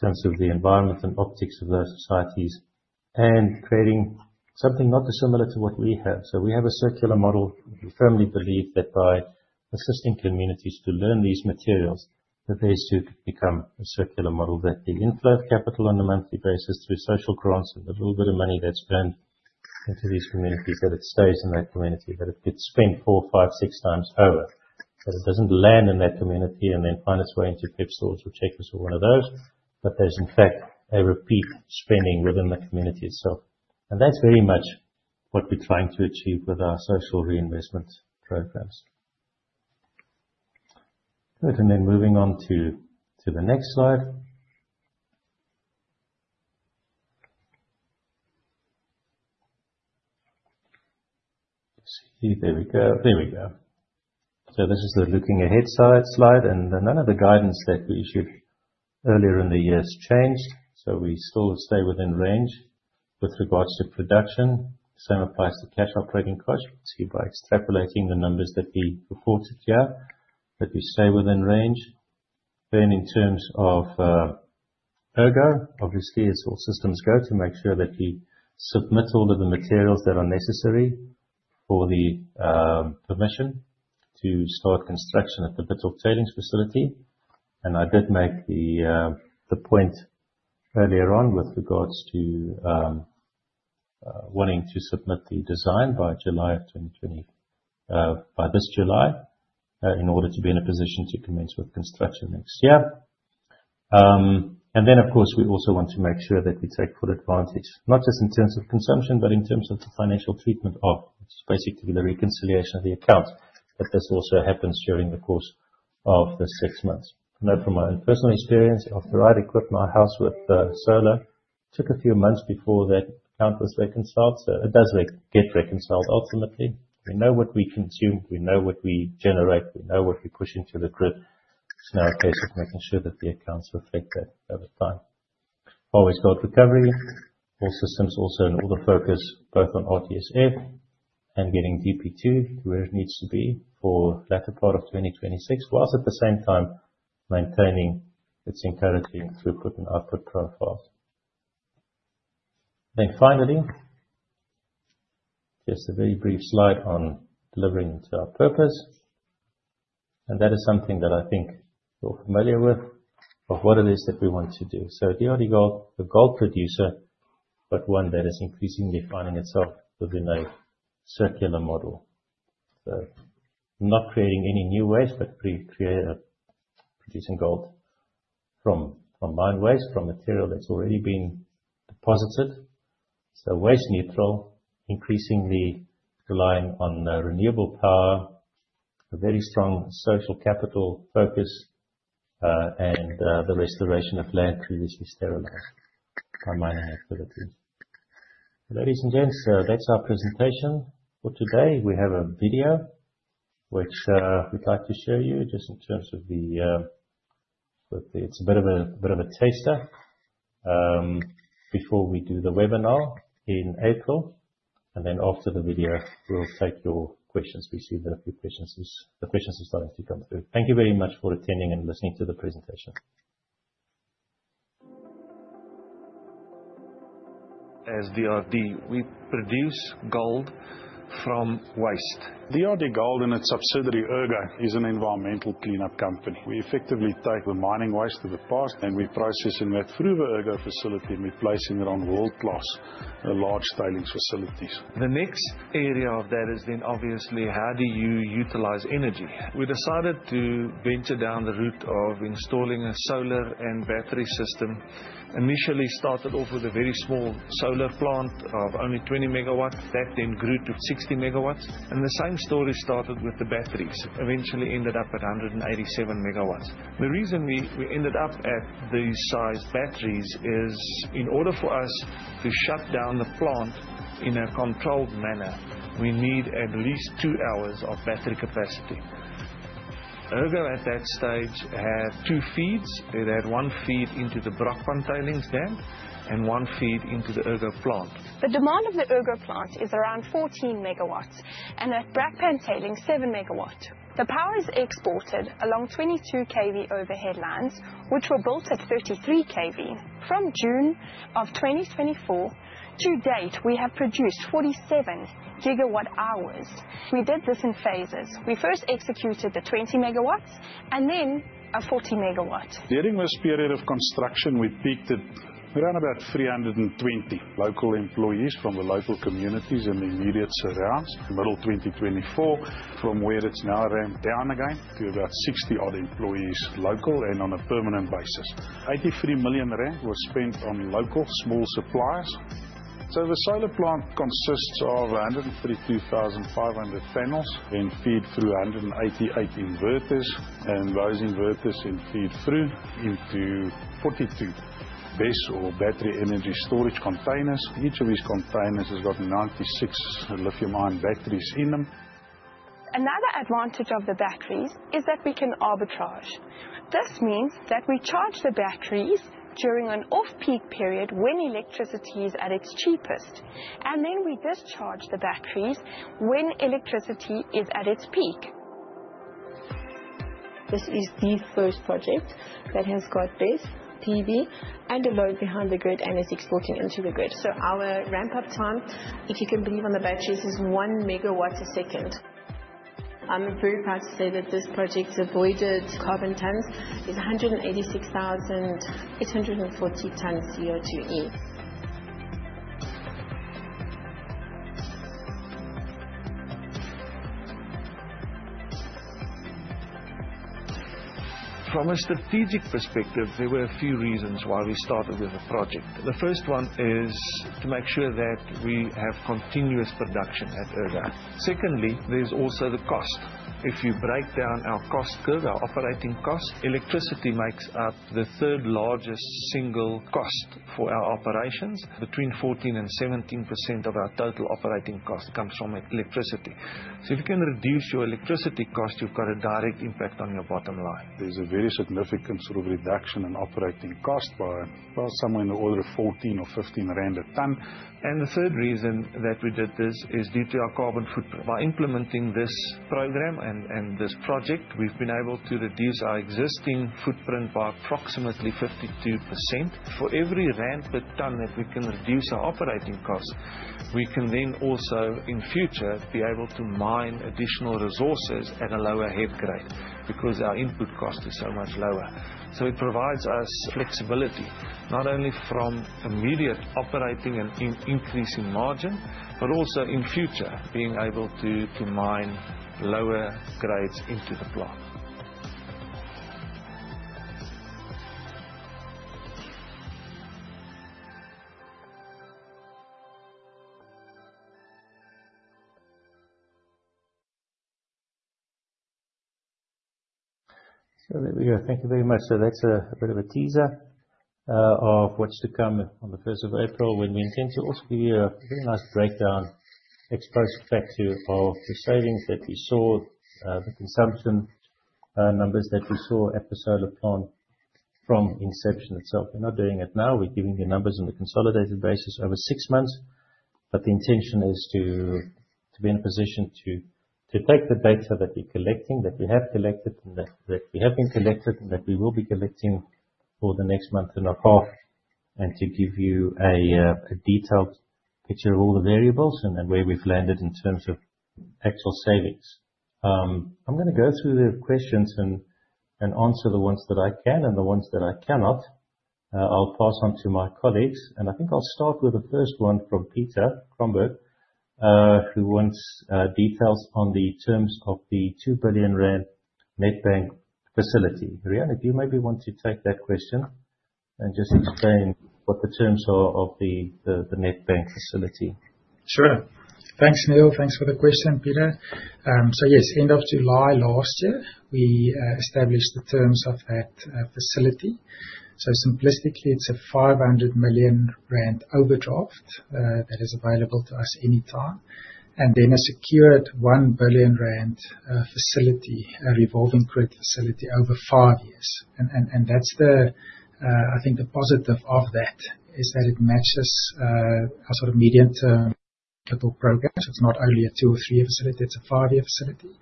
terms of the environment and optics of those societies, and creating something not dissimilar to what we have. So we have a circular model. We firmly believe that by assisting communities to learn these materials, that they soon become a circular model, that the inflow of capital on a monthly basis through social grants and a little bit of money that's spent into these communities, that it stays in that community, that it gets spent four, five, six times over, that it doesn't land in that community and then find its way into Pep Stores or Checkers or one of those, but there's in fact a repeat spending within the community itself. And that's very much what we're trying to achieve with our social reinvestment programs. Good. And then moving on to the next slide. So this is the looking ahead slide. And none of the guidance that we issued earlier in the year has changed. So we still stay within range with regards to production. The same applies to cash operating costs. You can see by extrapolating the numbers that we reported here, that we stay within range. Then in terms of Ergo, obviously, it's all systems go to make sure that we submit all of the materials that are necessary for the permission to start construction at the Brakpan Tailings Facility. And I did make the point earlier on with regards to wanting to submit the design by this July in order to be in a position to commence with construction next year. And then, of course, we also want to make sure that we take full advantage, not just in terms of consumption, but in terms of the financial treatment of, which is basically the reconciliation of the accounts, that this also happens during the course of the six months. Note from my own personal experience, after I'd equipped my house with solar, it took a few months before that account was reconciled. So it does get reconciled ultimately. We know what we consume. We know what we generate. We know what we push into the grid. It's now a case of making sure that the accounts reflect that over time. Always got recovery. All systems also in auto focus, both on RTSF and getting DP2 to where it needs to be for latter part of 2026, while at the same time maintaining its encouraging throughput and output profiles. Then finally, just a very brief slide on delivering to our purpose. And that is something that I think you're familiar with of what it is that we want to do. So the only gold producer, but one that is increasingly finding itself within a circular model. So not creating any new waste, but producing gold from mine waste, from material that's already been deposited. So waste neutral, increasingly relying on renewable power, a very strong social capital focus, and the restoration of land previously sterilized by mining activities. Ladies and gents, that's our presentation for today. We have a video which we'd like to show you just in terms of the; it's a bit of a taster before we do the webinar in April. And then after the video, we'll take your questions. We see that a few questions, the questions are starting to come through. Thank you very much for attending and listening to the presentation. As DRD, we produce gold from waste. DRDGOLD and its subsidiary Ergo is an environmental cleanup company. We effectively take the mining waste of the past and we're processing that through the Ergo facility and we're placing it on world-class large tailings facilities. The next area of that is then obviously how do you utilize energy? We decided to venture down the route of installing a solar and battery system. Initially started off with a very small solar plant of only 20 MW. That then grew to 60 MW. The same story started with the batteries, eventually ended up at 187 MW. The reason we ended up at these size batteries is in order for us to shut down the plant in a controlled manner, we need at least two hours of battery capacity. Ergo at that stage had two feeds. It had one feed into the Brakpan Tailings Dam and one feed into the Ergo plant. The demand of the Ergo plant is around 14 MW and at Brakpan Tailings, 7 MW. The power is exported along 22 kV overhead lines, which were built at 33 kV. From June of 2024 to date, we have produced 47 GWh. We did this in phases. We first executed the 20 MW and then a 40 MW. During this period of construction, we peaked at around about 320 local employees from the local communities and the immediate surrounds. Middle 2024, from where it's now ramped down again to about 60-odd employees local and on a permanent basis. 83 million rand was spent on local small suppliers. The solar plant consists of 132,500 panels and feed through 188 inverters. Those inverters then feed through into 42 BESS or battery energy storage containers. Each of these containers has got 96 lithium-ion batteries in them. Another advantage of the batteries is that we can arbitrage. This means that we charge the batteries during an off-peak period when electricity is at its cheapest, and then we discharge the batteries when electricity is at its peak. This is the first project that has got BESS, PV, and the load behind the grid and is exporting into the grid. So our ramp-up time, if you can believe on the batteries, is one MW a second. I'm very proud to say that this project's avoided carbon tons is 186,840 tons CO2e. From a strategic perspective, there were a few reasons why we started with the project. The first one is to make sure that we have continuous production at Ergo. Secondly, there's also the cost. If you break down our cost curve, our operating cost, electricity makes up the third largest single cost for our operations. Between 14% and 17% of our total operating cost comes from electricity. So if you can reduce your electricity cost, you've got a direct impact on your bottom line. There's a very significant sort of reduction in operating cost by somewhere in the order of 14 or 15 rand a ton. And the third reason that we did this is due to our carbon footprint. By implementing this program and this project, we've been able to reduce our existing footprint by approximately 52%. For every rand per ton that we can reduce our operating cost, we can then also, in future, be able to mine additional resources at a lower head grade because our input cost is so much lower. So it provides us flexibility, not only from immediate operating and increasing margin, but also in future being able to mine lower grades into the plant. So there we go. Thank you very much. So that's a bit of a teaser of what's to come on the 1st of April, when we intend to also give you a very nice breakdown, ex post facto of the savings that we saw, the consumption numbers that we saw at the solar plant from inception itself. We're not doing it now. We're giving you numbers on a consolidated basis over six months. But the intention is to be in a position to take the data that we're collecting, that we have collected, that we have been collected, and that we will be collecting for the next month and a half, and to give you a detailed picture of all the variables and then where we've landed in terms of actual savings. I'm going to go through the questions and answer the ones that I can and the ones that I cannot. I'll pass on to my colleagues. I think I'll start with the first one from Peter Cromberge, who wants details on the terms of the 2 billion rand Nedbank facility. Riaan, do you maybe want to take that question and just explain what the terms are of the Nedbank facility? Sure. Thanks, Niël. Thanks for the question, Peter. So yes, end of July last year, we established the terms of that facility. So simplistically, it's a 500 million rand overdraft that is available to us anytime. And then a secured 1 billion rand facility, a revolving credit facility over five years. And that's the, I think, the positive of that is that it matches our sort of medium-term capital program. So it's not only a two- or three-year facility, it's a five-year facility.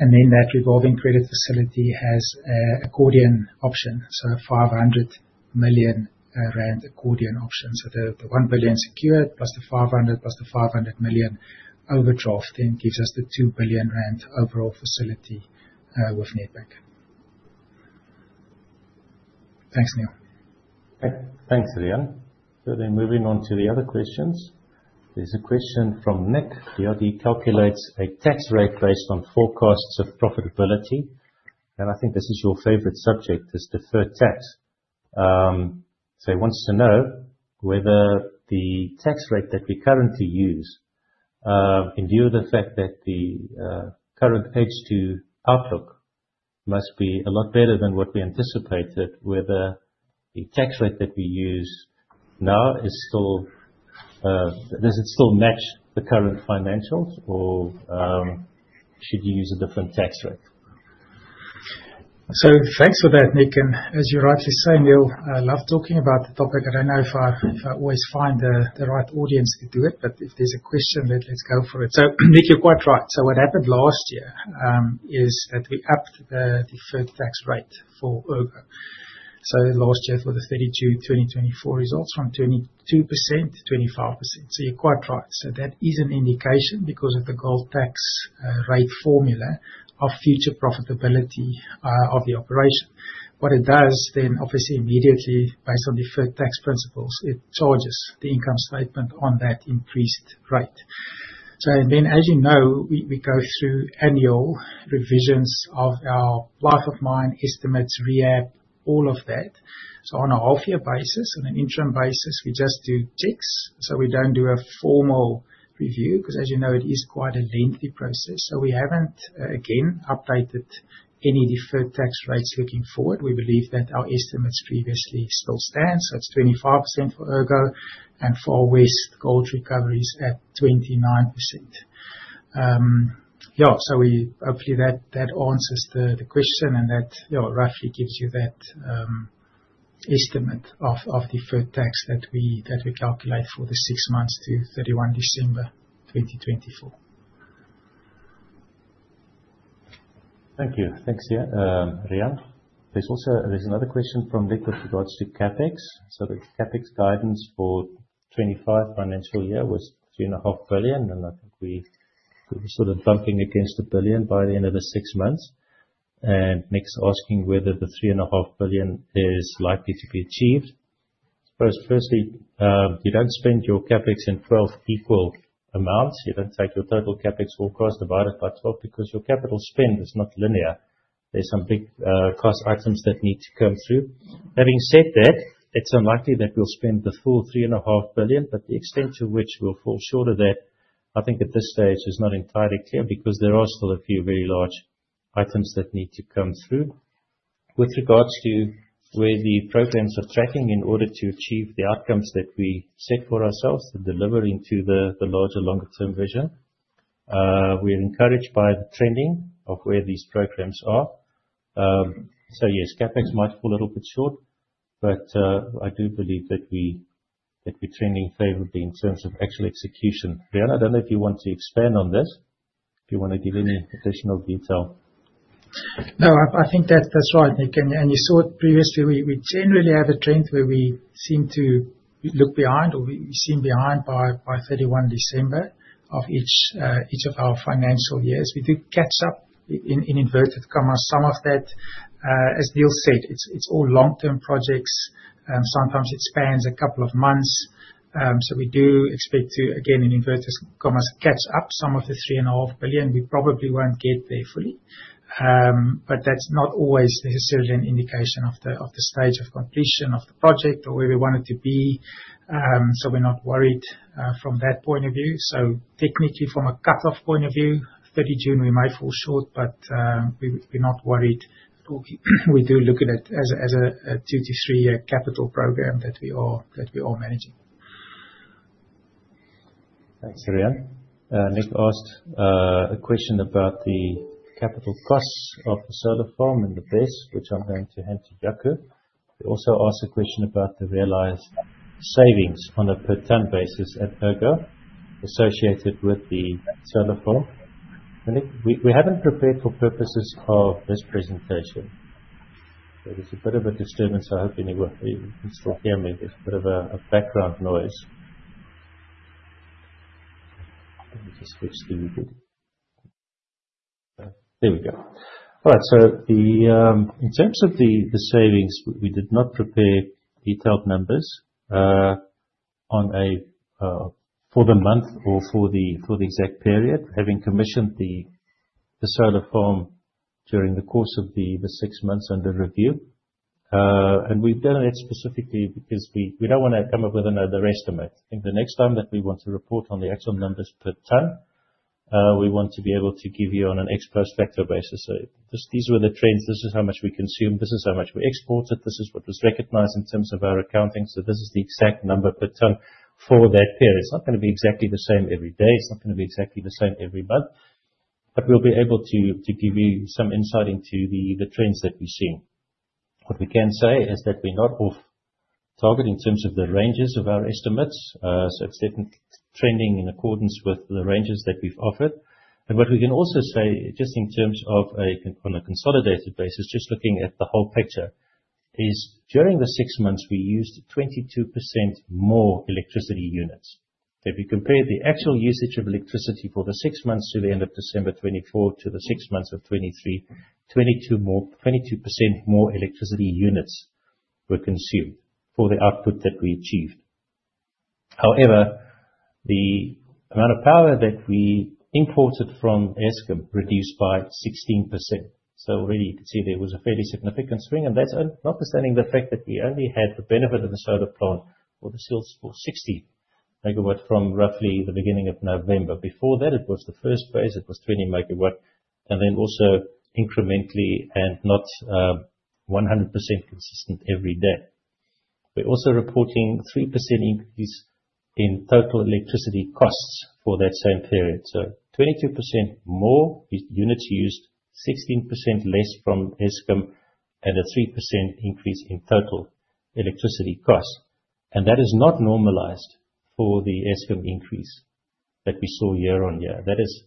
And then that revolving credit facility has an accordion option, so a 500 million rand accordion option. So the 1 billion secured plus the 500 plus the 500 million overdraft then gives us the 2 billion rand overall facility with Nedbank. Thanks, Niël. Thanks, Riaan. So then moving on to the other questions. There's a question from Nick. DRD calculates a tax rate based on forecasts of profitability. And I think this is your favorite subject, is deferred tax. So he wants to know whether the tax rate that we currently use, in view of the fact that the current H2 outlook must be a lot better than what we anticipated, whether the tax rate that we use now is still, does it still match the current financials, or should you use a different tax rate? So thanks for that, Nick. And as you rightly say, Niël, I love talking about the topic. And I know I always find the right audience to do it, but if there's a question, let's go for it. So Nick, you're quite right. So what happened last year is that we upped the deferred tax rate for Ergo. So last year for the FY 2024 results from 22% to 25%. So you're quite right. So that is an indication because of the gold tax rate formula of future profitability of the operation. What it does then, obviously, immediately based on deferred tax principles, it charges the income statement on that increased rate. So then, as you know, we go through annual revisions of our life of mine estimates, re-app, all of that. So on a half-year basis, on an interim basis, we just do checks. So we don't do a formal review because, as you know, it is quite a lengthy process. So we haven't, again, updated any deferred tax rates looking forward. We believe that our estimates previously still stand. So it's 25% for Ergo and for our Far West Gold Recoveries at 29%. Yeah. So hopefully that answers the question and that roughly gives you that estimate of deferred tax that we calculate for the six months to 31 December 2024. Thank you. Thanks, Riaan. There's also another question from Nick with regards to CapEx. So the CapEx guidance for 2025 financial year was 3.5 billion. And I think we were sort of bumping against 1 billion by the end of the six months. And Nick's asking whether the 3.5 billion is likely to be achieved. Firstly, you don't spend your CapEx in 12 equal amounts. You don't take your total CapEx all across divided by 12 because your capital spend is not linear. There's some big cost items that need to come through. Having said that, it's unlikely that we'll spend the full 3.5 billion, but the extent to which we'll fall short of that, I think at this stage is not entirely clear because there are still a few very large items that need to come through. With regards to where the programs are tracking in order to achieve the outcomes that we set for ourselves, the delivering to the larger longer-term vision, we're encouraged by the trending of where these programs are. So yes, CapEx might fall a little bit short, but I do believe that we're trending favorably in terms of actual execution. Riaan, I don't know if you want to expand on this, if you want to give any additional detail. No, I think that's right, Nick. And you saw it previously. We generally have a trend where we seem to look behind or we seem behind by 31 December of each of our financial years. We do catch up in inverted commas. Some of that, as Niël said, it's all long-term projects. Sometimes it spans a couple of months. So we do expect to, again, in inverted commas, catch up some of the 3.5 billion. We probably won't get there fully, but that's not always necessarily an indication of the stage of completion of the project or where we want it to be. So we're not worried from that point of view. So technically, from a cutoff point of view, 30 June, we may fall short, but we're not worried. We do look at it as a two to three-year capital program that we are managing. Thanks, Riaan. Nick asked a question about the capital costs of the solar farm and the BES, which I'm going to hand to Jaco. He also asked a question about the realized savings on a per ton basis at Ergo associated with the solar farm. We haven't prepared for purposes of this presentation. There's a bit of a disturbance. I hope anyone can still hear me. There's a bit of a background noise. Let me just switch the video. There we go. All right. So in terms of the savings, we did not prepare detailed numbers for the month or for the exact period, having commissioned the solar farm during the course of the six months under review. And we've done it specifically because we don't want to come up with another estimate. I think the next time that we want to report on the actual numbers per ton, we want to be able to give you on an ex post facto basis. So these were the trends. This is how much we consume. This is how much we exported. This is what was recognized in terms of our accounting. So this is the exact number per ton for that period. It's not going to be exactly the same every day. It's not going to be exactly the same every month. But we'll be able to give you some insight into the trends that we've seen. What we can say is that we're not off target in terms of the ranges of our estimates. So it's definitely trending in accordance with the ranges that we've offered. What we can also say just in terms of on a consolidated basis, just looking at the whole picture, is during the six months, we used 22% more electricity units. If you compare the actual usage of electricity for the six months to the end of December 2024 to the six months of 2023, 22% more electricity units were consumed for the output that we achieved. However, the amount of power that we imported from Eskom reduced by 16%. So already, you can see there was a fairly significant swing. And that's notwithstanding the fact that we only had the benefit of the solar plant or the sales for 60 MW from roughly the beginning of November. Before that, it was the first phase. It was 20 MW and then also incrementally and not 100% consistent every day. We're also reporting a 3% increase in total electricity costs for that same period. So 22% more units used, 16% less from Eskom, and a 3% increase in total electricity costs. And that is not normalised for the Eskom increase that we saw year on year. That is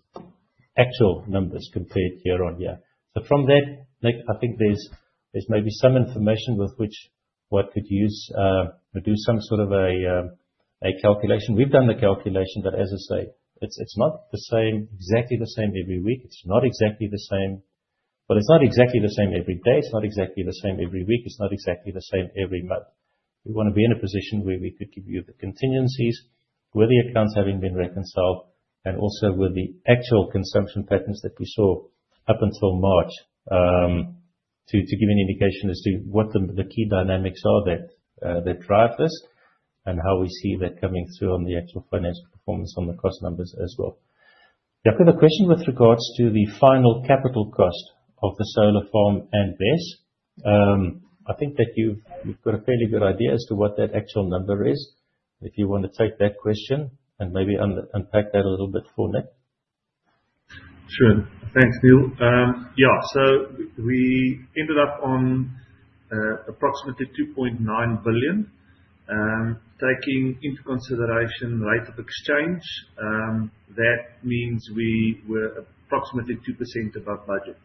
actual numbers compared year on year. So from that, Nick, I think there's maybe some information with which we could use to do some sort of a calculation. We've done the calculation, but as I say, it's not the same, exactly the same every week. It's not exactly the same, but it's not exactly the same every day. It's not exactly the same every week. It's not exactly the same every month. We want to be in a position where we could give you the contingencies with the accounts having been reconciled and also with the actual consumption patterns that we saw up until March to give an indication as to what the key dynamics are that drive this and how we see that coming through on the actual financial performance on the cost numbers as well. Jaco, the question with regards to the final capital cost of the solar farm and BES, I think that you've got a fairly good idea as to what that actual number is. If you want to take that question and maybe unpack that a little bit for Nick. Sure. Thanks, Niël. Yeah. So we ended up on approximately 2.9 billion. Taking into consideration rate of exchange, that means we were approximately 2% above budget.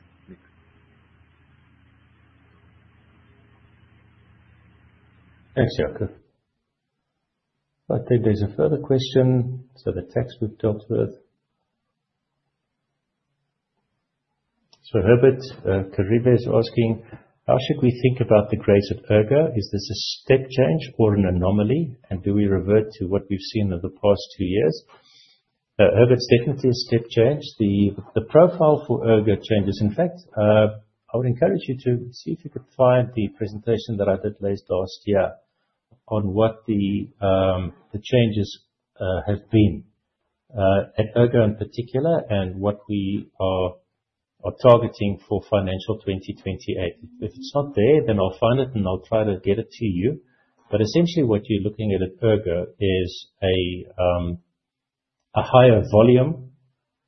Thanks, Jaco. I think there's a further question. So the tax group dealt with. So Herbert Kharivhe is asking, how should we think about the grades at Ergo? Is this a step change or an anomaly? And do we revert to what we've seen in the past two years? Herbert, it's definitely a step change. The profile for Ergo changes. In fact, I would encourage you to see if you could find the presentation that I did last year on what the changes have been at Ergo in particular and what we are targeting for financial 2028. If it's not there, then I'll find it and I'll try to get it to you. But essentially, what you're looking at at Ergo is a higher volume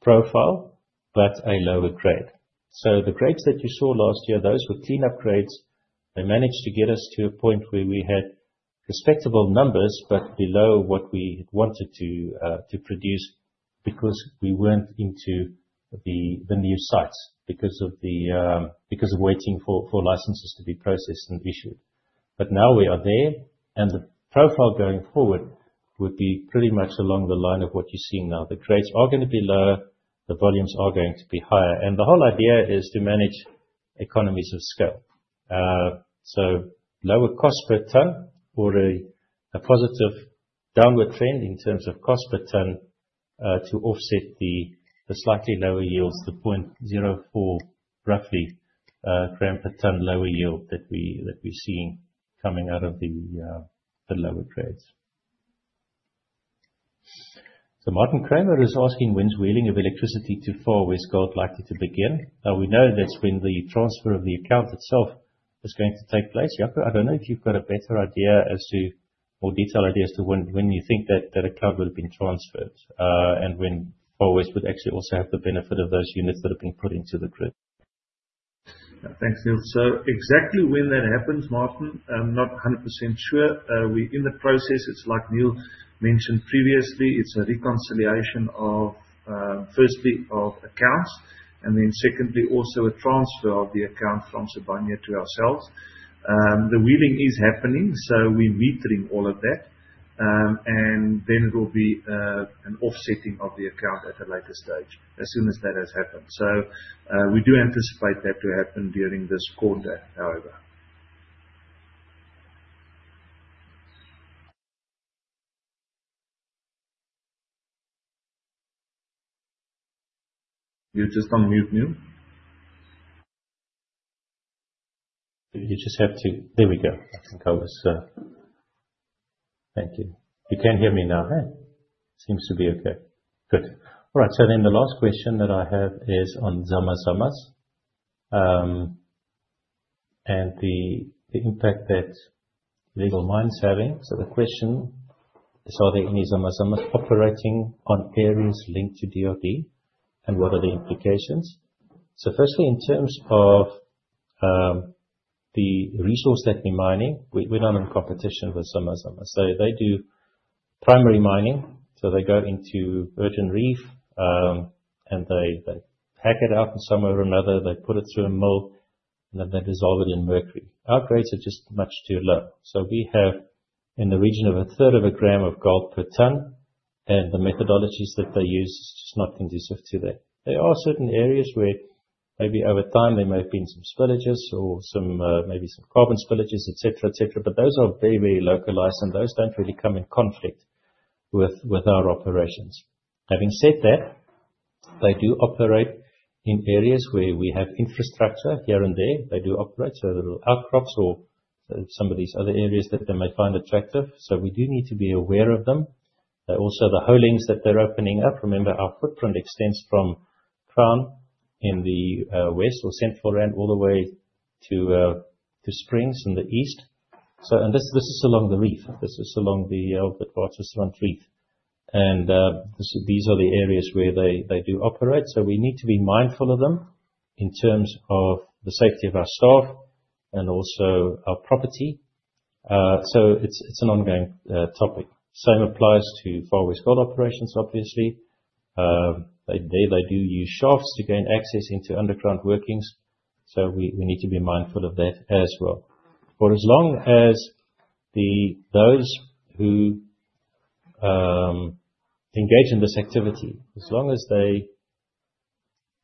profile, but a lower grade. So the grades that you saw last year, those were clean-up grades. They managed to get us to a point where we had respectable numbers, but below what we wanted to produce because we weren't into the new sites because of waiting for licenses to be processed and issued, but now we are there, and the profile going forward would be pretty much along the line of what you're seeing now. The grades are going to be lower. The volumes are going to be higher, and the whole idea is to manage economies of scale, so lower cost per ton or a positive downward trend in terms of cost per ton to offset the slightly lower yields, the 0.04 roughly gram per ton lower yield that we're seeing coming out of the lower grades. So Martin Creamer is asking when's wheeling of electricity to Far West Gold likely to begin. We know that's when the transfer of the account itself is going to take place. Jaco, I don't know if you've got a better, more detailed idea as to when you think that account would have been transferred and when Far West would actually also have the benefit of those units that have been put into the grid. Thanks, Niël. So exactly when that happens, Martin, I'm not 100% sure. We're in the process. It's like Niël mentioned previously. It's a reconciliation of, firstly, of accounts and then secondly, also a transfer of the account from Sibanye to ourselves. The wheeling is happening. So we're metering all of that. And then it will be an offsetting of the account at a later stage as soon as that has happened. So we do anticipate that to happen during this quarter, however. You're just on mute, Niël. You can hear me now. Seems to be okay. Good. All right. So then the last question that I have is on zama zamas and the impact that legal mines having. So the question is, are there any zama zamas operating on areas linked to DRD? And what are the implications? So firstly, in terms of the resource that we're mining, we're not in competition with zama zamas. So they do primary mining. So they go into virgin reef and they pack it up in some way or another. They put it through a mill and then they dissolve it in mercury. Our grades are just much too low. So we have in the region of a third of a gram of gold per ton. And the methodologies that they use are just not conducive to that. There are certain areas where maybe over time there may have been some spillages or maybe some carbon spillages, etc., etc., but those are very, very localized and those don't really come in conflict with our operations. Having said that, they do operate in areas where we have infrastructure here and there. They do operate in little outcrops or some of these other areas that they may find attractive. So we do need to be aware of them. Also, the hole lengths that they're opening up, remember our footprint extends from Crown in the west to the Central Rand all the way to Springs in the east, and this is along the reef. This is along the old Central Rand reef, and these are the areas where they do operate, so we need to be mindful of them in terms of the safety of our staff and also our property. So it's an ongoing topic. Same applies to Far West Gold operations, obviously. They do use shafts to gain access into underground workings. So we need to be mindful of that as well. But as long as those who engage in this activity, as long as they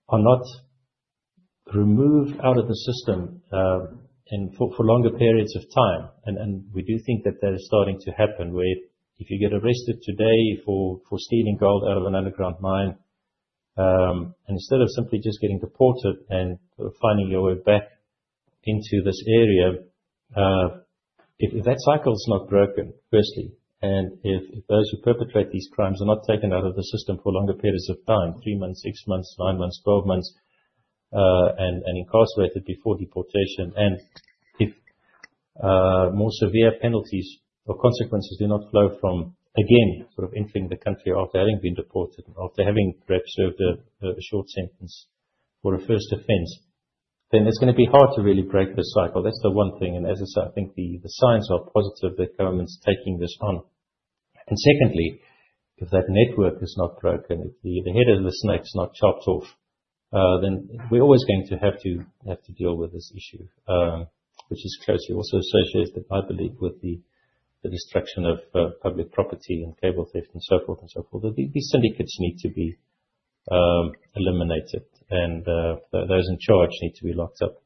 are not removed out of the system for longer periods of time, and we do think that that is starting to happen where if you get arrested today for stealing gold out of an underground mine, and instead of simply just getting deported and finding your way back into this area, if that cycle is not broken, firstly, and if those who perpetrate these crimes are not taken out of the system for longer periods of time, three months, six months, nine months, twelve months, and incarcerated before deportation, and if more severe penalties or consequences do not flow from, again, sort of entering the country after having been deported, after having perhaps served a short sentence or a first offense, then it's going to be hard to really break this cycle. That's the one thing. As I say, I think the signs are positive that government's taking this on. Secondly, if that network is not broken, if the head of the snake's not chopped off, then we're always going to have to deal with this issue, which is closely also associated, I believe, with the destruction of public property and cable theft and so forth and so forth. These syndicates need to be eliminated. Those in charge need to be locked up.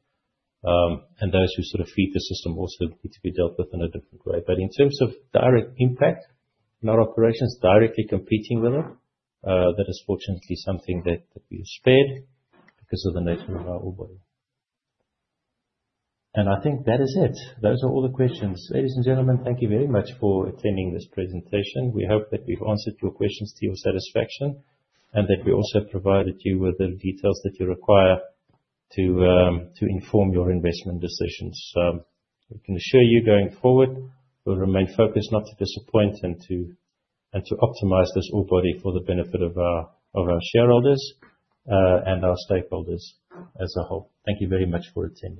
Those who sort of feed the system also need to be dealt with in a different way. But in terms of direct impact, not operations directly competing with it, that is fortunately something that we are spared because of the nature of our operation. I think that is it. Those are all the questions. Ladies and gentlemen, thank you very much for attending this presentation. We hope that we've answered your questions to your satisfaction and that we also provided you with the details that you require to inform your investment decisions. We can assure you going forward, we'll remain focused, not to disappoint, and to optimize this ore body for the benefit of our shareholders and our stakeholders as a whole. Thank you very much for attending.